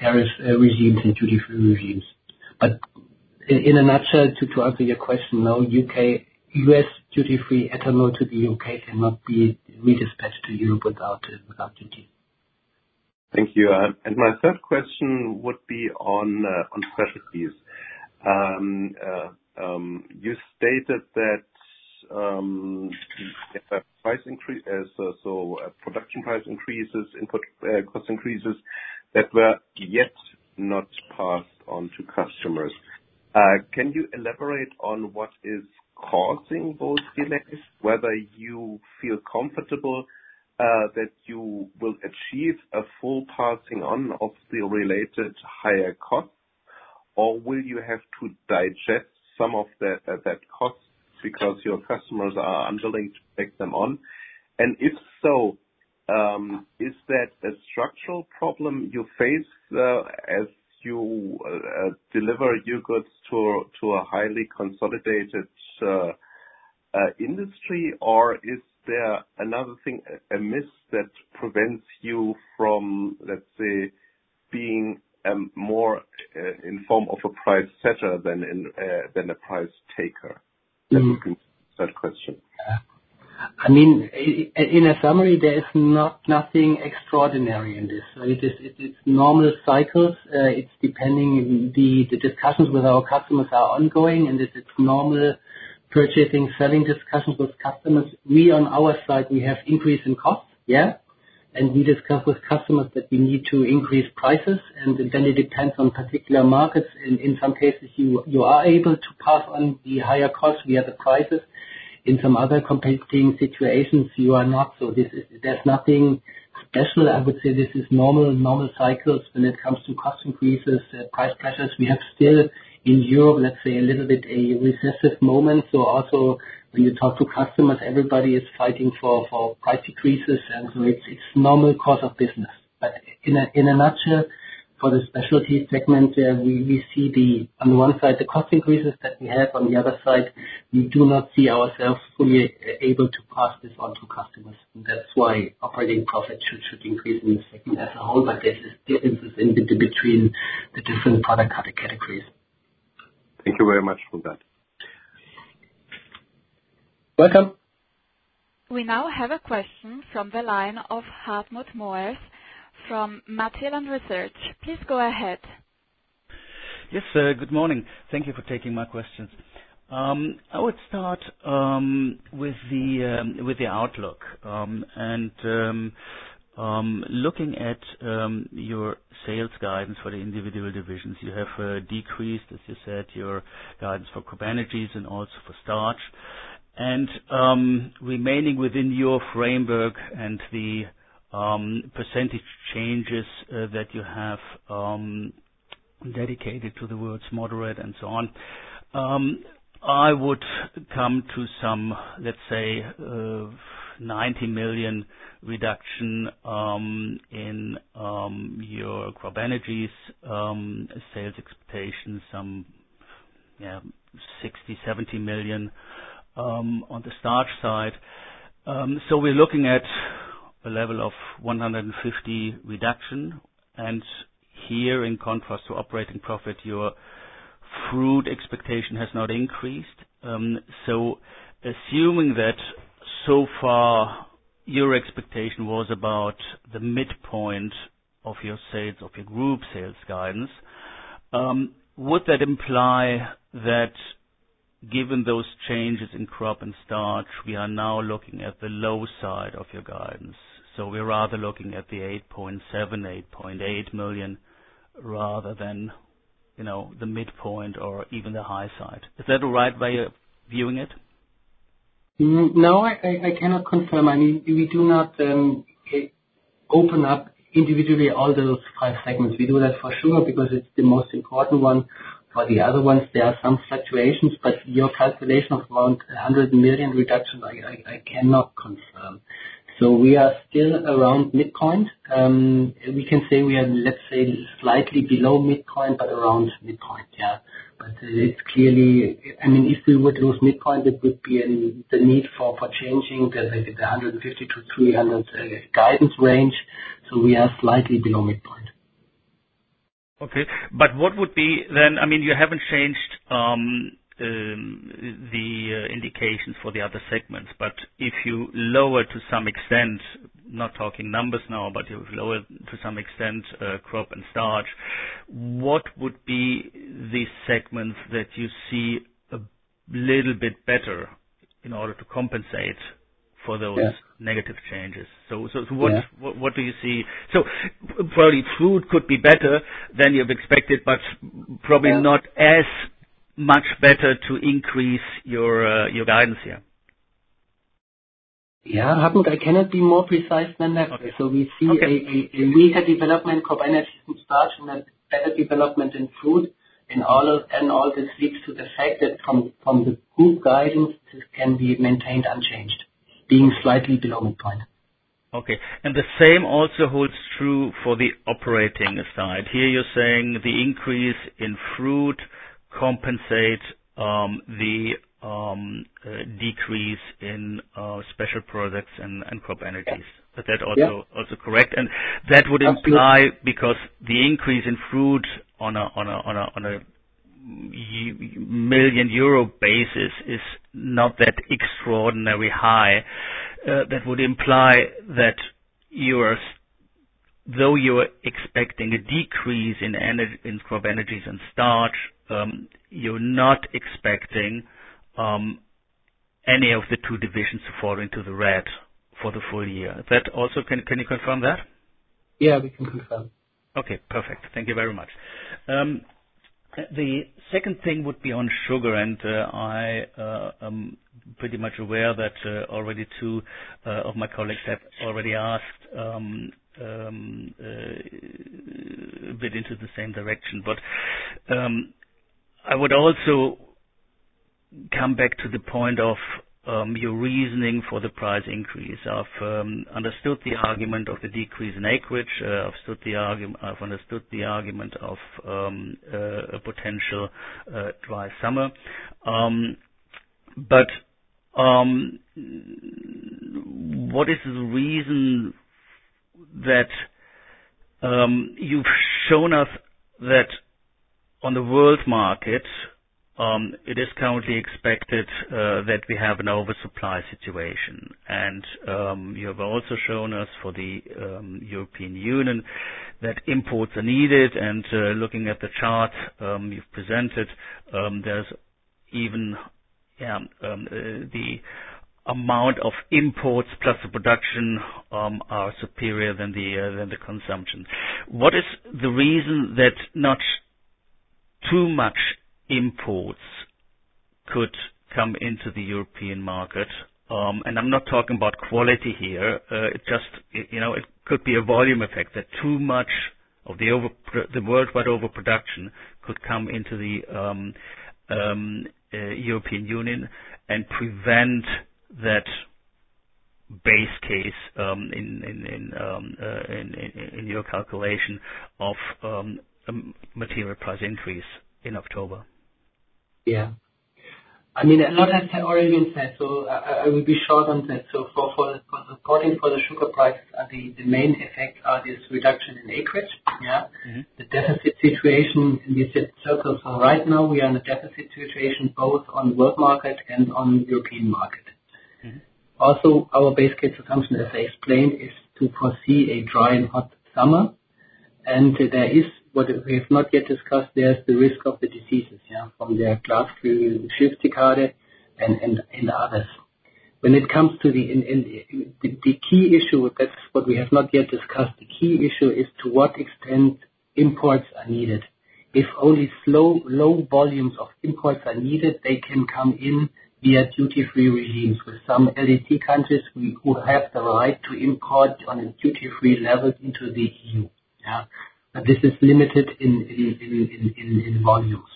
tariff regimes and duty-free regimes. But in a nutshell, to answer your question, no, U.S. duty-free ethanol to the U.K. cannot be redispatched to Europe without duty. Thank you. And my third question would be on specialties. You stated that if a price increase, so a production price increases, input cost increases, that were yet not passed on to customers. Can you elaborate on what is causing those delays, whether you feel comfortable that you will achieve a full passing on of the related higher costs, or will you have to digest some of that cost because your customers are unwilling to take them on? And if so, is that a structural problem you face as you deliver your goods to a highly consolidated industry, or is there another thing, a myth that prevents you from, let's say, being more in form of a price setter than a price taker? That would be my third question. I mean, in a summary, there is nothing extraordinary in this. It's normal cycles. It's depending the discussions with our customers are ongoing, and it's normal purchasing-selling discussions with customers. We, on our side, we have increase in cost, yeah. And we discuss with customers that we need to increase prices. And then it depends on particular markets. And in some cases, you are able to pass on the higher cost via the prices. In some other competing situations, you are not. So there's nothing special. I would say this is normal cycles when it comes to cost increases, price pressures. We have still in Europe, let's say, a little bit a recessive moment. So also when you talk to customers, everybody is fighting for price decreases. And so it's normal course of business. But in a nutshell, for the specialty segment, we see on the one side the cost increases that we have. On the other side, we do not see ourselves fully able to pass this on to customers. And that's why operating profit should reduce in the segment as a whole. But there's a difference in between the different product categories. Thank you very much for that. Welcome. We now have a question from the line of Hartmut Moers from Matillion Research. Please go ahead. Yes, good morning. Thank you for taking my questions. I would start with the outlook. And looking at your sales guidance for the individual divisions, you have decreased, as you said, your guidance for CropEnergies and also for starch. And remaining within your framework and the percentage changes that you have dedicated to the words moderate and so on, I would come to some, let's say, 90 million reduction in your CropEnergies sales expectations, some, yeah, 60, 70 million on the starch side. So we're looking at a level of 150 million reduction. Here, in contrast to operating profit, your fruit expectation has not increased. Assuming that so far your expectation was about the midpoint of your sales, of your group sales guidance, would that imply that given those changes in crop and starch, we are now looking at the low side of your guidance? We're rather looking at the 78.8 million rather than the midpoint or even the high side. Is that the right way of viewing it? No, I cannot confirm. I mean, we do not open up individually all those five segments. We do that for sure because it is the most important one. For the other ones, there are some fluctuations. Your calculation of around 100 million reduction, I cannot confirm. We are still around midpoint. We can say we are, let's say, slightly below midpoint, but around midpoint, yeah. But it's clearly, I mean, if we would lose midpoint, it would be the need for changing the 150-300 guidance range. So we are slightly below midpoint. Okay. But what would be then? I mean, you haven't changed the indications for the other segments. But if you lower to some extent, not talking numbers now, but you lower to some extent crop and starch, what would be the segments that you see a little bit better in order to compensate for those negative changes? So what do you see? So probably fruit could be better than you've expected, but probably not as much better to increase your guidance here. Yeah. Hartmut, I cannot be more precise than that. So we see a weaker development in CropEnergies and starch and a better development in fruit. All this leads to the fact that from the group guidance, this can be maintained unchanged, being slightly below midpoint. Okay. The same also holds true for the operating side. Here you're saying the increase in fruit compensates the decrease in special products and CropEnergies. Is that also correct? That would imply because the increase in fruit on a million EUR basis is not that extraordinarily high, that would imply that though you're expecting a decrease in CropEnergies and starch, you're not expecting any of the two divisions to fall into the red for the full year. Can you confirm that? Yeah, we can confirm. Okay. Perfect. Thank you very much. The second thing would be on sugar. I am pretty much aware that already two of my colleagues have already asked a bit into the same direction. But I would also come back to the point of your reasoning for the price increase. I've understood the argument of the decrease in acreage. I've understood the argument of a potential dry summer. But what is the reason that you've shown us that on the world market, it is currently expected that we have an oversupply situation? And you have also shown us for the European Union that imports are needed. And looking at the chart you've presented, there's even, yeah, the amount of imports plus the production are superior than the consumption. What is the reason that not too much imports could come into the European market? And I'm not talking about quality here. It could be a volume effect that too much of the worldwide overproduction could come into the European Union and prevent that base case in your calculation of material price increase in October. Yeah. I mean, a lot has already been said, so I will be short on that, so according to the sugar price, the main effect is this reduction in acreage, yeah? The deficit situation, and you said the crisis right now, we are in a deficit situation both on the world market and on the European market. Also, our base case assumption, as I explained, is to foresee a dry and hot summer, and there is what we have not yet discussed. There's the risk of the diseases, yeah, from the Cercospora and others. When it comes to the key issue, that's what we have not yet discussed. The key issue is to what extent imports are needed. If only low volumes of imports are needed, they can come in via duty-free regimes. With some LDC countries, we would have the right to import on a duty-free level into the E.U., yeah? But this is limited in volumes.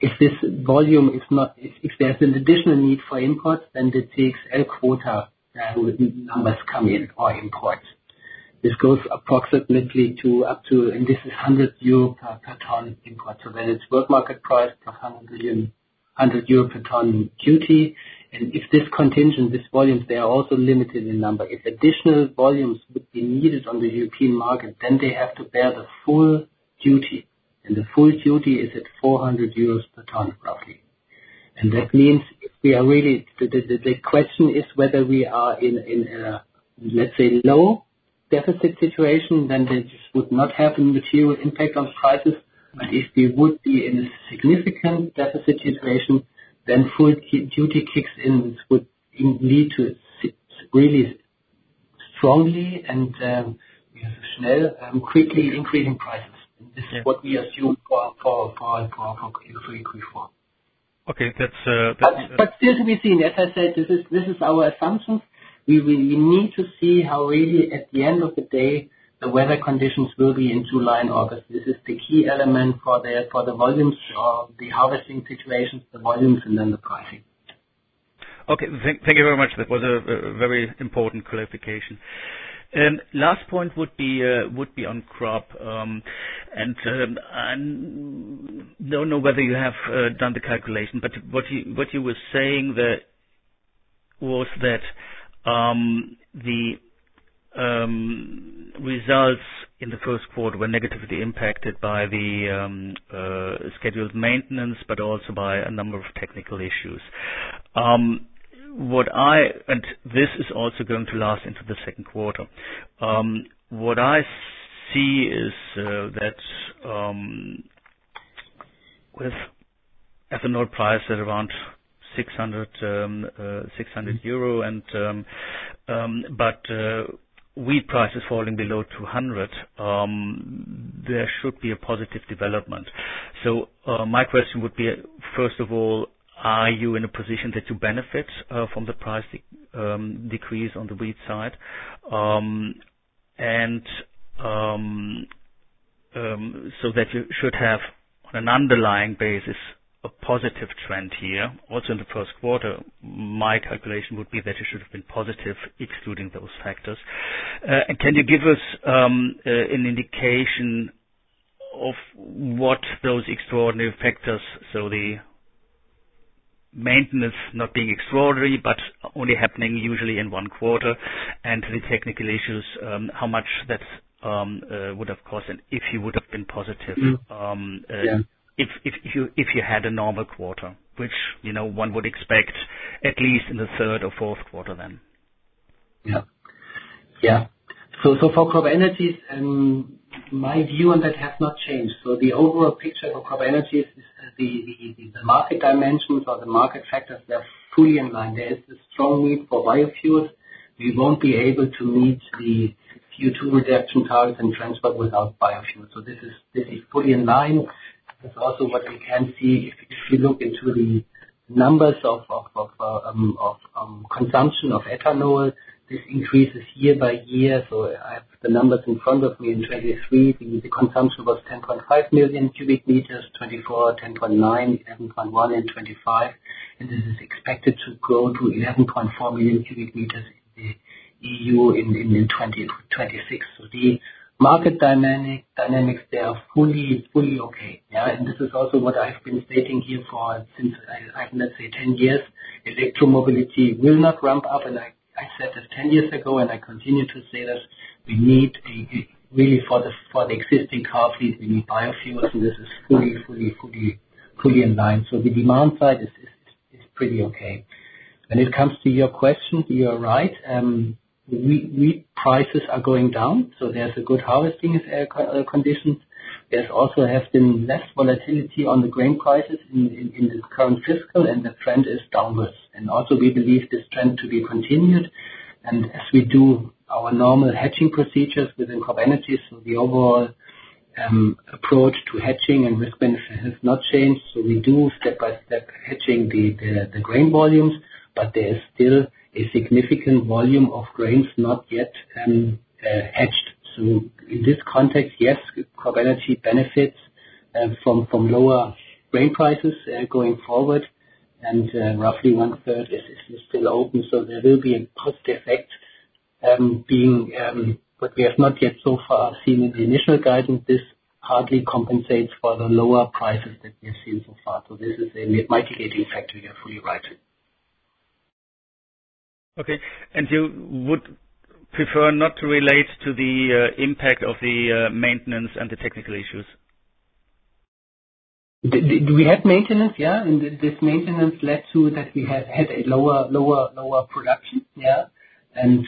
If there's an additional need for imports, then the CXL quota numbers come in or imports. This goes approximately up to, and this is 100 euro per ton import. So then it's world market price plus 100 euro per ton duty. And if this contingent, this volume, they are also limited in number. If additional volumes would be needed on the European market, then they have to bear the full duty. And the full duty is at 400 euros per ton, roughly. And that means if we are, really the question is whether we are in a, let's say, low deficit situation, then this would not have a material impact on prices. But if we would be in a significant deficit situation, then full duty kicks in, which would lead to really strongly and quickly increasing prices. And this is what we assume for Q3, Q4. Okay. That's. But still to be seen. As I said, this is our assumptions. We need to see how really, at the end of the day, the weather conditions will be in July and August. This is the key element for the volumes, the harvesting situations, the volumes, and then the pricing. Okay. Thank you very much. That was a very important clarification. Last point would be on crop. And I don't know whether you have done the calculation, but what you were saying was that the results in the first quarter were negatively impacted by the scheduled maintenance, but also by a number of technical issues. And this is also going to last into the second quarter. What I see is that with ethanol prices around EUR 600, but wheat prices falling below 200, there should be a positive development. So my question would be, first of all, are you in a position that you benefit from the price decrease on the wheat side? And so that you should have, on an underlying basis, a positive trend here. Also, in the first quarter, my calculation would be that it should have been positive, excluding those factors. And can you give us an indication of what those extraordinary factors? So the maintenance not being extraordinary, but only happening usually in one quarter, and the technical issues, how much that would have cost, and if you would have been positive if you had a normal quarter, which one would expect at least in the third or fourth quarter then. Yeah. Yeah. So for CropEnergies, my view on that has not changed. So the overall picture for CropEnergies is the market dimensions or the market factors, they're fully in line. There is a strong need for biofuels. We won't be able to meet the CO2 reduction target thereafter without biofuels, so this is fully in line. That's also what we can see if you look into the numbers of consumption of ethanol. This increases year by year, so I have the numbers in front of me. In 2023, the consumption was 10.5 million cubic meters, 2024, 10.9, 11.1, and 2025, and this is expected to grow to 11.4 million cubic meters in the E.U. in 2026, so the market dynamics, they are fully okay, yeah, and this is also what I've been stating here for, let's say, 10 years. Electromobility will not ramp up, and I said this 10 years ago, and I continue to say this. We need really, for the existing car fleet, we need biofuels, and this is fully, fully, fully in line. So the demand side is pretty okay. When it comes to your question, you're right. Wheat prices are going down. So there's a good harvesting condition. There also has been less volatility on the grain prices in the current fiscal, and the trend is downward. And also, we believe this trend to be continued. And as we do our normal hedging procedures within CropEnergies, so the overall approach to hedging and risk management has not changed. So we do step-by-step hedging the grain volumes, but there is still a significant volume of grains not yet hedged. So in this context, yes, CropEnergies benefits from lower grain prices going forward. And roughly one-third is still open. So there will be a positive effect, but we have not yet so far seen in the initial guidance. This partly compensates for the lower prices that we have seen so far. So this is a mitigating factor. You're fully right. Okay. And you would prefer not to relate to the impact of the maintenance and the technical issues? We had maintenance, yeah. And this maintenance led to that we had a lower production, yeah, and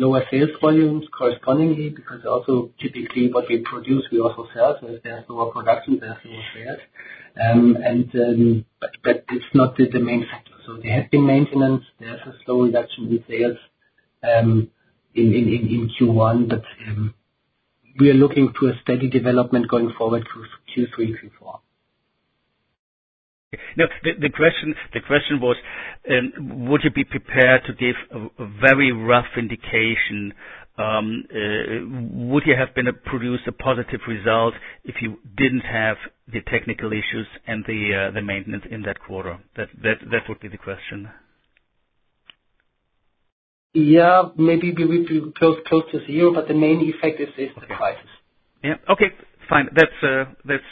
lower sales volumes correspondingly because also typically what we produce, we also sell. So if there's lower production, there's lower sales. But it's not the main factor. So there has been maintenance. There's a slow reduction in sales in Q1, but we are looking to a steady development going forward through Q3, Q4. Now, the question was, would you be prepared to give a very rough indication? Would you have produced a positive result if you didn't have the technical issues and the maintenance in that quarter? That would be the question. Yeah. Maybe close to zero, but the main effect is the prices. Yeah. Okay. Fine. That's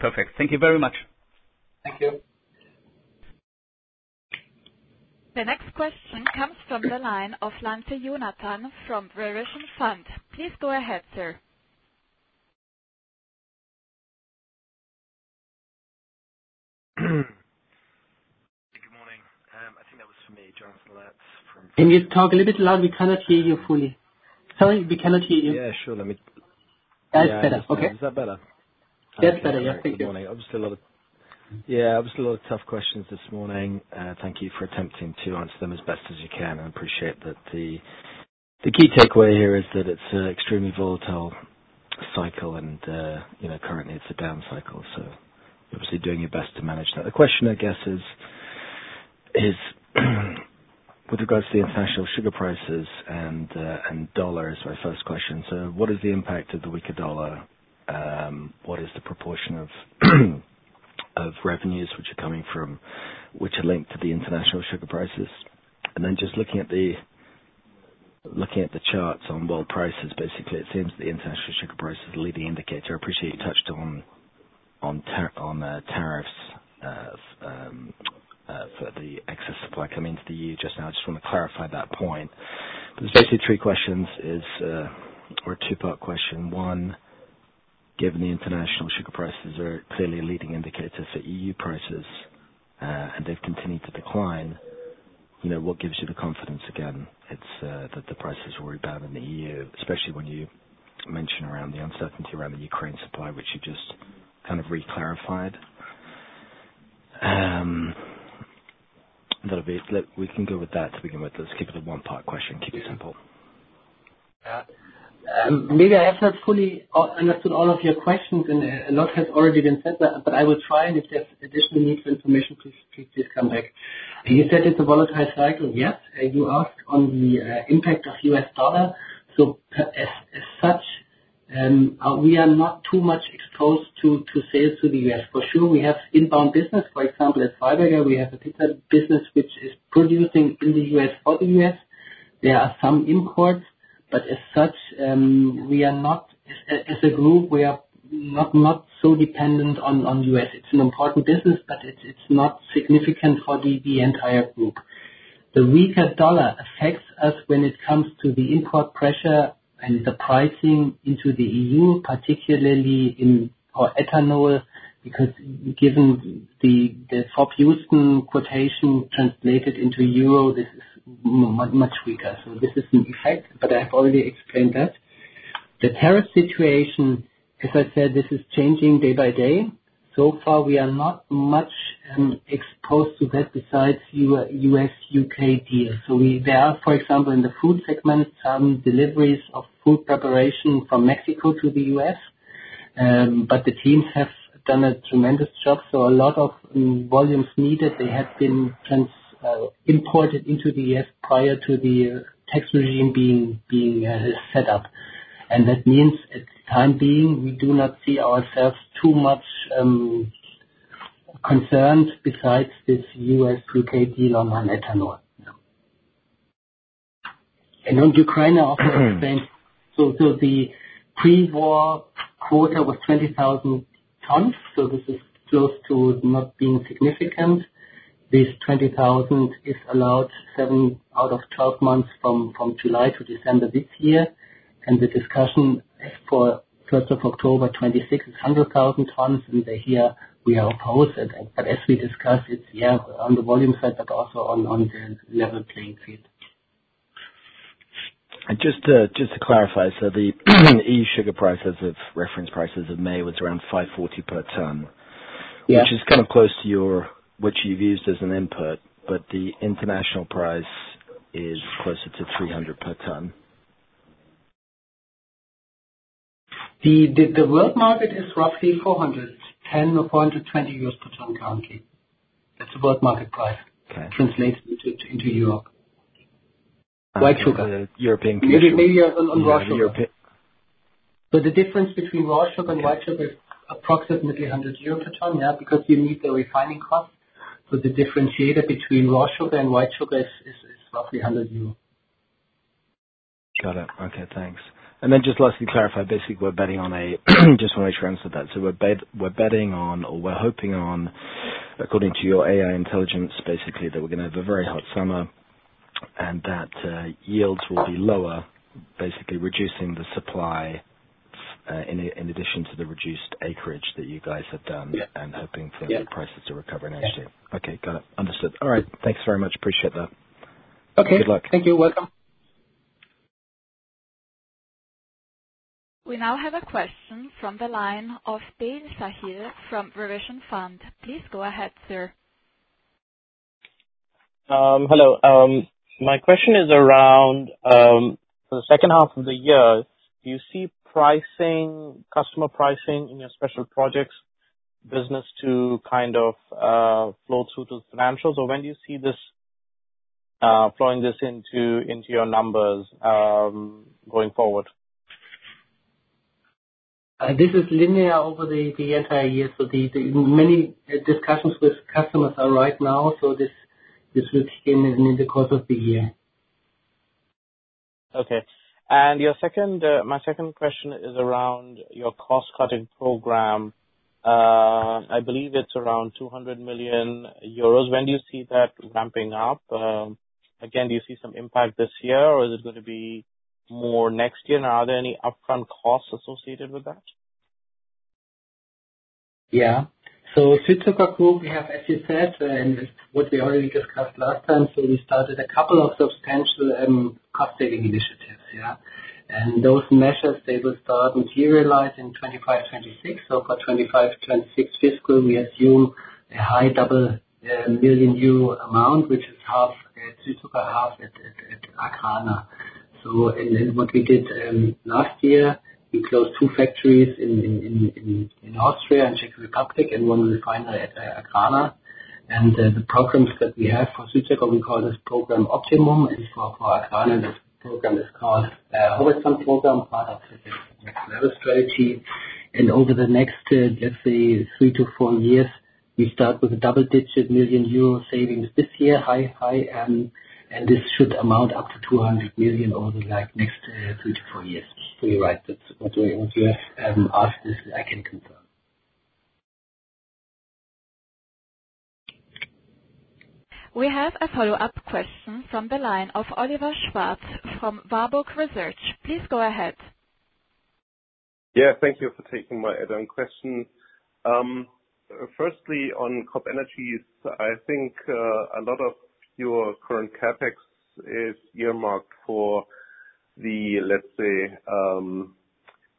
perfect. Thank you very much. Thank you. The next question comes from the line of Jonathan Lutz from Verizon Fund. Please go ahead, sir. Good morning. I think that was for me, Jonathan Lutz from. Can you talk a little bit louder? We cannot hear you fully. Sorry. We cannot hear you. Yeah, sure. Let me. That's better. Okay. Is that better? That's better. Yeah. Thank you. Good morning. Obviously, a lot of yeah, obviously, a lot of tough questions this morning. Thank you for attempting to answer them as best as you can. And I appreciate that the key takeaway here is that it's an extremely volatile cycle, and currently, it's a down cycle. So you're obviously doing your best to manage that. The question, I guess, is with regards to the international sugar prices and dollar is my first question. What is the impact of the weaker dollar? What is the proportion of revenues which are coming from which are linked to the international sugar prices? And then just looking at the charts on world prices, basically, it seems that the international sugar price is a leading indicator. I appreciate you touched on tariffs for the excess supply coming into the E.U. just now. I just want to clarify that point. There's basically three questions or two-part question. One, given the international sugar prices are clearly a leading indicator for E.U. prices, and they've continued to decline, what gives you the confidence again that the prices are worrying about in the E.U., especially when you mention around the uncertainty around the Ukraine supply, which you just kind of reclarified? We can go with that to begin with. Let's keep it a one-part question. Keep it simple. Maybe I have not fully understood all of your questions, and a lot has already been said, but I will try. And if there's additional need for information, please come back. You said it's a volatile cycle. Yes. You asked on the impact of U.S. dollar. So as such, we are not too much exposed to sales to the U.S. For sure, we have inbound business. For example, at Freiberger, we have a piece of business which is producing in the U.S. for the U.S. There are some imports. But as such, we are not as a group, we are not so dependent on the U.S. It's an important business, but it's not significant for the entire group. The weaker dollar affects us when it comes to the import pressure and the pricing into the EU, particularly for ethanol, because given the FOB Houston quotation translated into Euro, this is much weaker. So this is an effect, but I have already explained that. The tariff situation, as I said, this is changing day by day. So far, we are not much exposed to that besides U.S.-U.K. deals. So there are, for example, in the food segment, some deliveries of food preparation from Mexico to the U.S. But the teams have done a tremendous job. So a lot of volumes needed. They had been imported into the U.S. prior to the tax regime being set up. And that means, for the time being, we do not see ourselves too much concerned besides this U.S.-U.K. deal on ethanol. And on Ukraine, I also explained. The pre-war quota was 20,000 tons. This is close to not being significant. This 20,000 is allowed 7 out of 12 months from July to December this year. The discussion for 1st of October 2026 is 100,000 tons. Here, we are opposed. As we discussed, it's yeah, on the volume side, but also on the level playing field. Just to clarify, so the E.U. sugar prices, reference prices of May was around 540 EUR per ton, which is kind of close to what you've used as an input, but the international price is closer to 300 EUR per ton. The world market is roughly 410 or 420 euros per ton currently. That's the world market price translated into Europe. White sugar. European Commission. Maybe on raw sugar. So the difference between raw sugar and white sugar is approximately 100 euro per ton, yeah, because you need the refining cost. So the differentiator between raw sugar and white sugar is roughly 100 euros. Got it. Okay. Thanks. And then just lastly, clarify basically we're betting on a just want to make sure I answered that. So we're betting on, or we're hoping on, according to your AI intelligence, basically that we're going to have a very hot summer and that yields will be lower, basically reducing the supply in addition to the reduced acreage that you guys have done and hoping for the prices to recover next year. Okay. Got it. Understood. All right. Thanks very much. Appreciate that. Good luck. Thank you. You're welcome. We now have a question from the line of David Sahil from Verizon Fund. Please go ahead, sir. Hello. My question is around the second half of the year, do you see customer pricing in your specialty products business to kind of flow through to the financials? Or when do you see this flowing into your numbers going forward? This is linear over the entire year. So many discussions with customers are right now. So this will keep in the course of the year. Okay. And my second question is around your cost-cutting program. I believe it's around 200 million euros. When do you see that ramping up? Again, do you see some impact this year, or is it going to be more next year? And are there any upfront costs associated with that? Yeah. So Südzucker Group, we have, as you said, and what we already discussed last time. So we started a couple of substantial cost-saving initiatives, yeah. And those measures, they will start materializing in 2025, 2026. So for 2025, 2026 fiscal, we assume a high double-digit million EUR amount, which is half at Südzucker, half at AGRANA. So what we did last year, we closed two factories in Austria and Czech Republic and one refinery at AGRANA. And the programs that we have for Switzerland, we call this program OPTIMUM. And for AGRANA, this program is called Horizon Program, part of the level strategy. And over the next, let's say, three to four years, we start with a double-digit million EUR savings this year, and this should amount up to 200 million EUR over the next three to four years. You're right. That's what you have asked. Yes, I can confirm. We have a follow-up question from the line of Oliver Schwarz from Warburg Research. Please go ahead. Yeah. Thank you for taking my question. Firstly, on CropEnergies, I think a lot of your current CapEx is earmarked for the, let's say,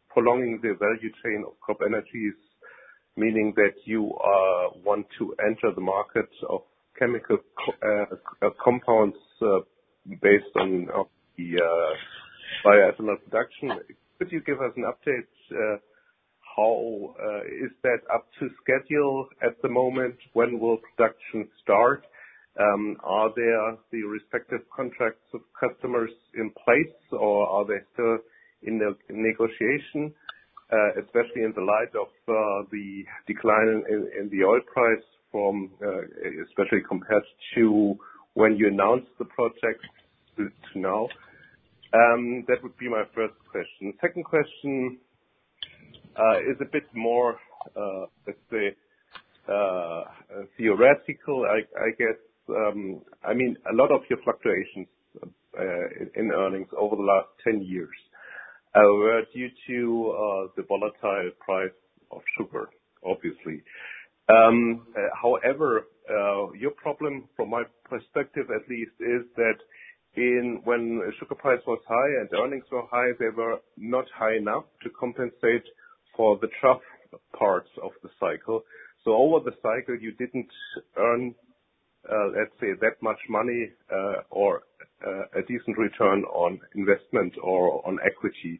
prolonging the value chain of CropEnergies, meaning that you want to enter the market of chemical compounds based on the bioethanol production. Could you give us an update? Is that up to schedule at the moment? When will production start? Are there the respective contracts of customers in place, or are they still in negotiation, especially in the light of the decline in the oil price, especially compared to when you announced the project to now? That would be my first question. The second question is a bit more, let's say, theoretical, I guess. I mean, a lot of your fluctuations in earnings over the last 10 years were due to the volatile price of sugar, obviously. However, your problem, from my perspective at least, is that when sugar prices were high and earnings were high, they were not high enough to compensate for the tough parts of the cycle. So over the cycle, you didn't earn, let's say, that much money or a decent return on investment or on equity.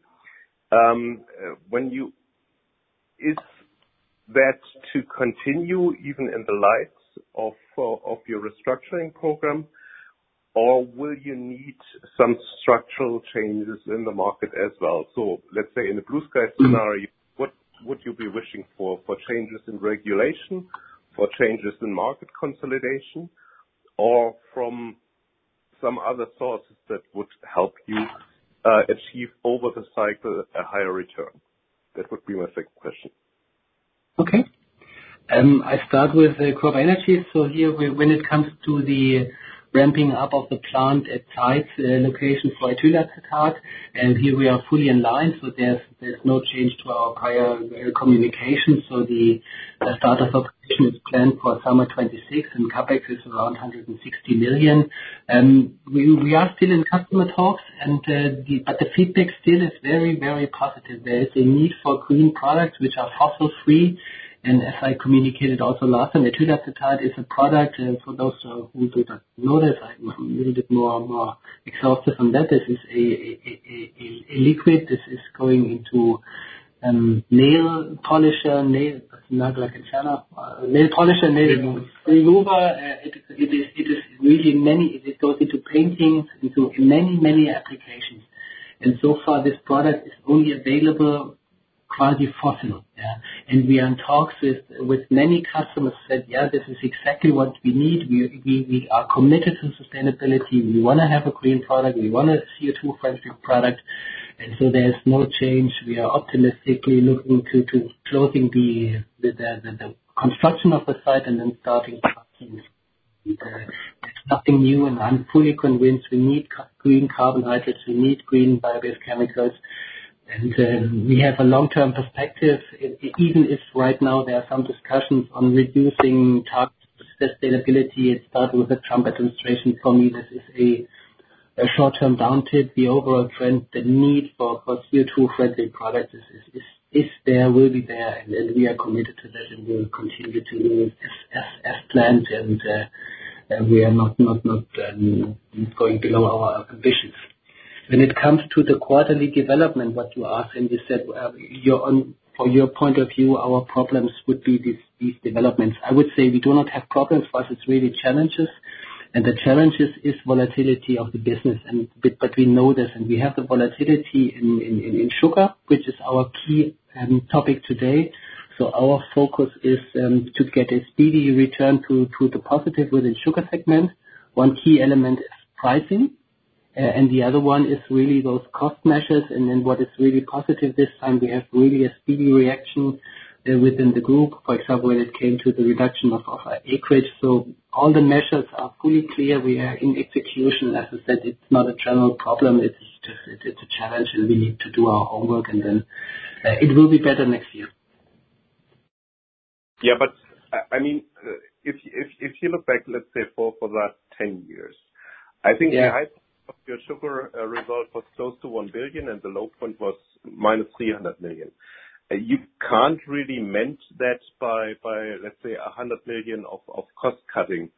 Is that to continue even in the light of your restructuring program, or will you need some structural changes in the market as well? So let's say in a blue-sky scenario, what would you be wishing for? For changes in regulation, for changes in market consolidation, or from some other sources that would help you achieve over the cycle a higher return? That would be my second question. Okay. I start with CropEnergies. So here, when it comes to the ramping up of the plant at Zeitz location for ethyl acetate, and here we are fully in line. There's no change to our prior communications. The startup operation is planned for summer 2026, and CapEx is around 160 million. We are still in customer talks, but the feedback still is very, very positive. There is a need for green products which are fossil-free. As I communicated also last time, ethyl acetate is a product for those who do not know this. I'm a little bit more exhaustive on that. This is a liquid. This is going into nail polish, nail polish remover. It is really many. It goes into paints, into many, many applications. So far, this product is only available quasi-fossil. And we are in talks with many customers who said, "Yeah, this is exactly what we need. We are committed to sustainability. We want to have a green product. We want a CO2-friendly product." And so there's no change. We are optimistically looking to closing the construction of the site and then starting up. It's nothing new. And I'm fully convinced we need green carbohydrates. We need green bio-based chemicals. And we have a long-term perspective. Even if right now there are some discussions on reducing target sustainability, it started with the Trump administration. For me, this is a short-term downtick. The overall trend, the need for CO2-friendly products is there, will be there. And we are committed to that, and we will continue to do as planned. And we are not going below our ambitions. When it comes to the quarterly development, what you asked, and you said, from your point of view, our problems would be these developments. I would say we do not have problems. For us, it's really challenges. And the challenge is volatility of the business. But we know this. And we have the volatility in sugar, which is our key topic today. So our focus is to get a speedy return to the positive within the sugar segment. One key element is pricing. And the other one is really those cost measures. And then what is really positive this time, we have really a speedy reaction within the group, for example, when it came to the reduction of our acreage. So all the measures are fully clear. We are in execution. As I said, it's not a general problem. It's a challenge, and we need to do our homework. And then it will be better next year. Yeah. But I mean, if you look back, let's say, for the last 10 years, I think the high point of your sugar result was close to 1 billion, and the low point was minus 300 million. You can't really mend that by, let's say, 100 million of cost-cutting.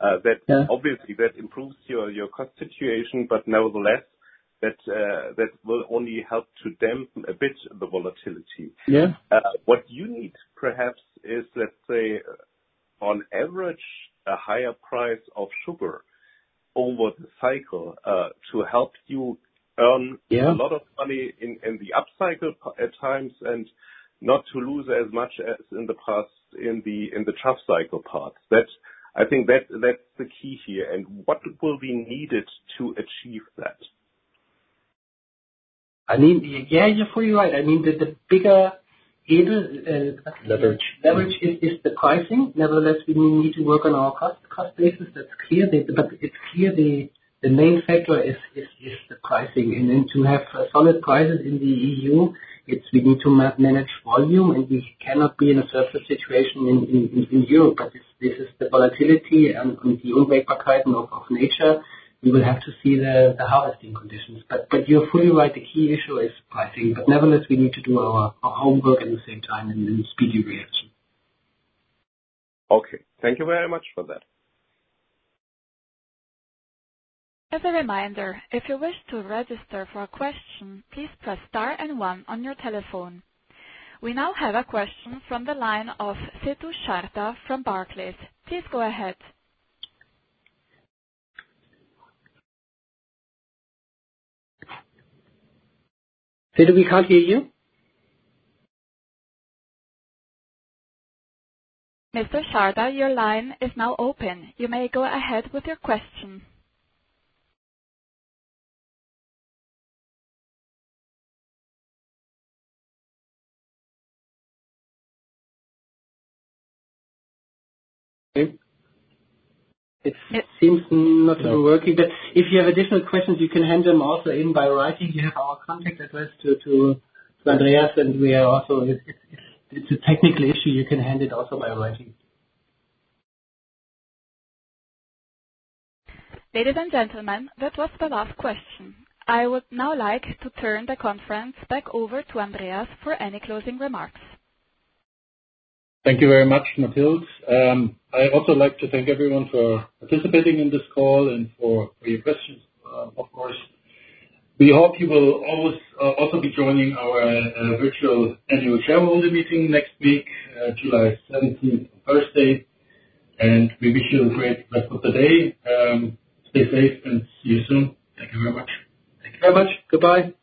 Obviously, that improves your cost situation, but nevertheless, that will only help to dampen a bit the volatility. What you need, perhaps, is, let's say, on average, a higher price of sugar over the cycle to help you earn a lot of money in the upcycle at times and not to lose as much as in the past in the tough cycle part. I think that's the key here. And what will be needed to achieve that? I mean, yeah, you're fully right. I mean, the bigger leverage is the pricing. Nevertheless, we need to work on our cost basis. That's clear. But it's clear the main factor is the pricing. And then to have solid prices in the EU, we need to manage volume. And we cannot be in a surplus situation in Europe. But this is the volatility and the unwavering kind of nature. You will have to see the harvesting conditions. But you're fully right. The key issue is pricing. But nevertheless, we need to do our homework at the same time and speedy reaction. Okay. Thank you very much for that. As a reminder, if you wish to register for a question, please press star and one on your telephone. We now have a question from the line of Sidhu Sharda from Barclays. Please go ahead. Sidhu, we can't hear you. Mr. Sharda, your line is now open. You may go ahead with your question. It seems not to be working. But if you have additional questions, you can hand them also in by writing. You have our contact address to Andreas. And we are also if it's a technical issue, you can hand it also by writing. Ladies and gentlemen, that was the last question. I would now like to turn the conference back over to Andreas for any closing remarks. Thank you very much, Matilde. I'd also like to thank everyone for participating in this call and for your questions, of course. We hope you will always also be joining our virtual annual shareholder meeting next week, July 17th, Thursday. And we wish you a great rest of the day. Stay safe and see you soon. Thank you very much. Thank you very much. Goodbye.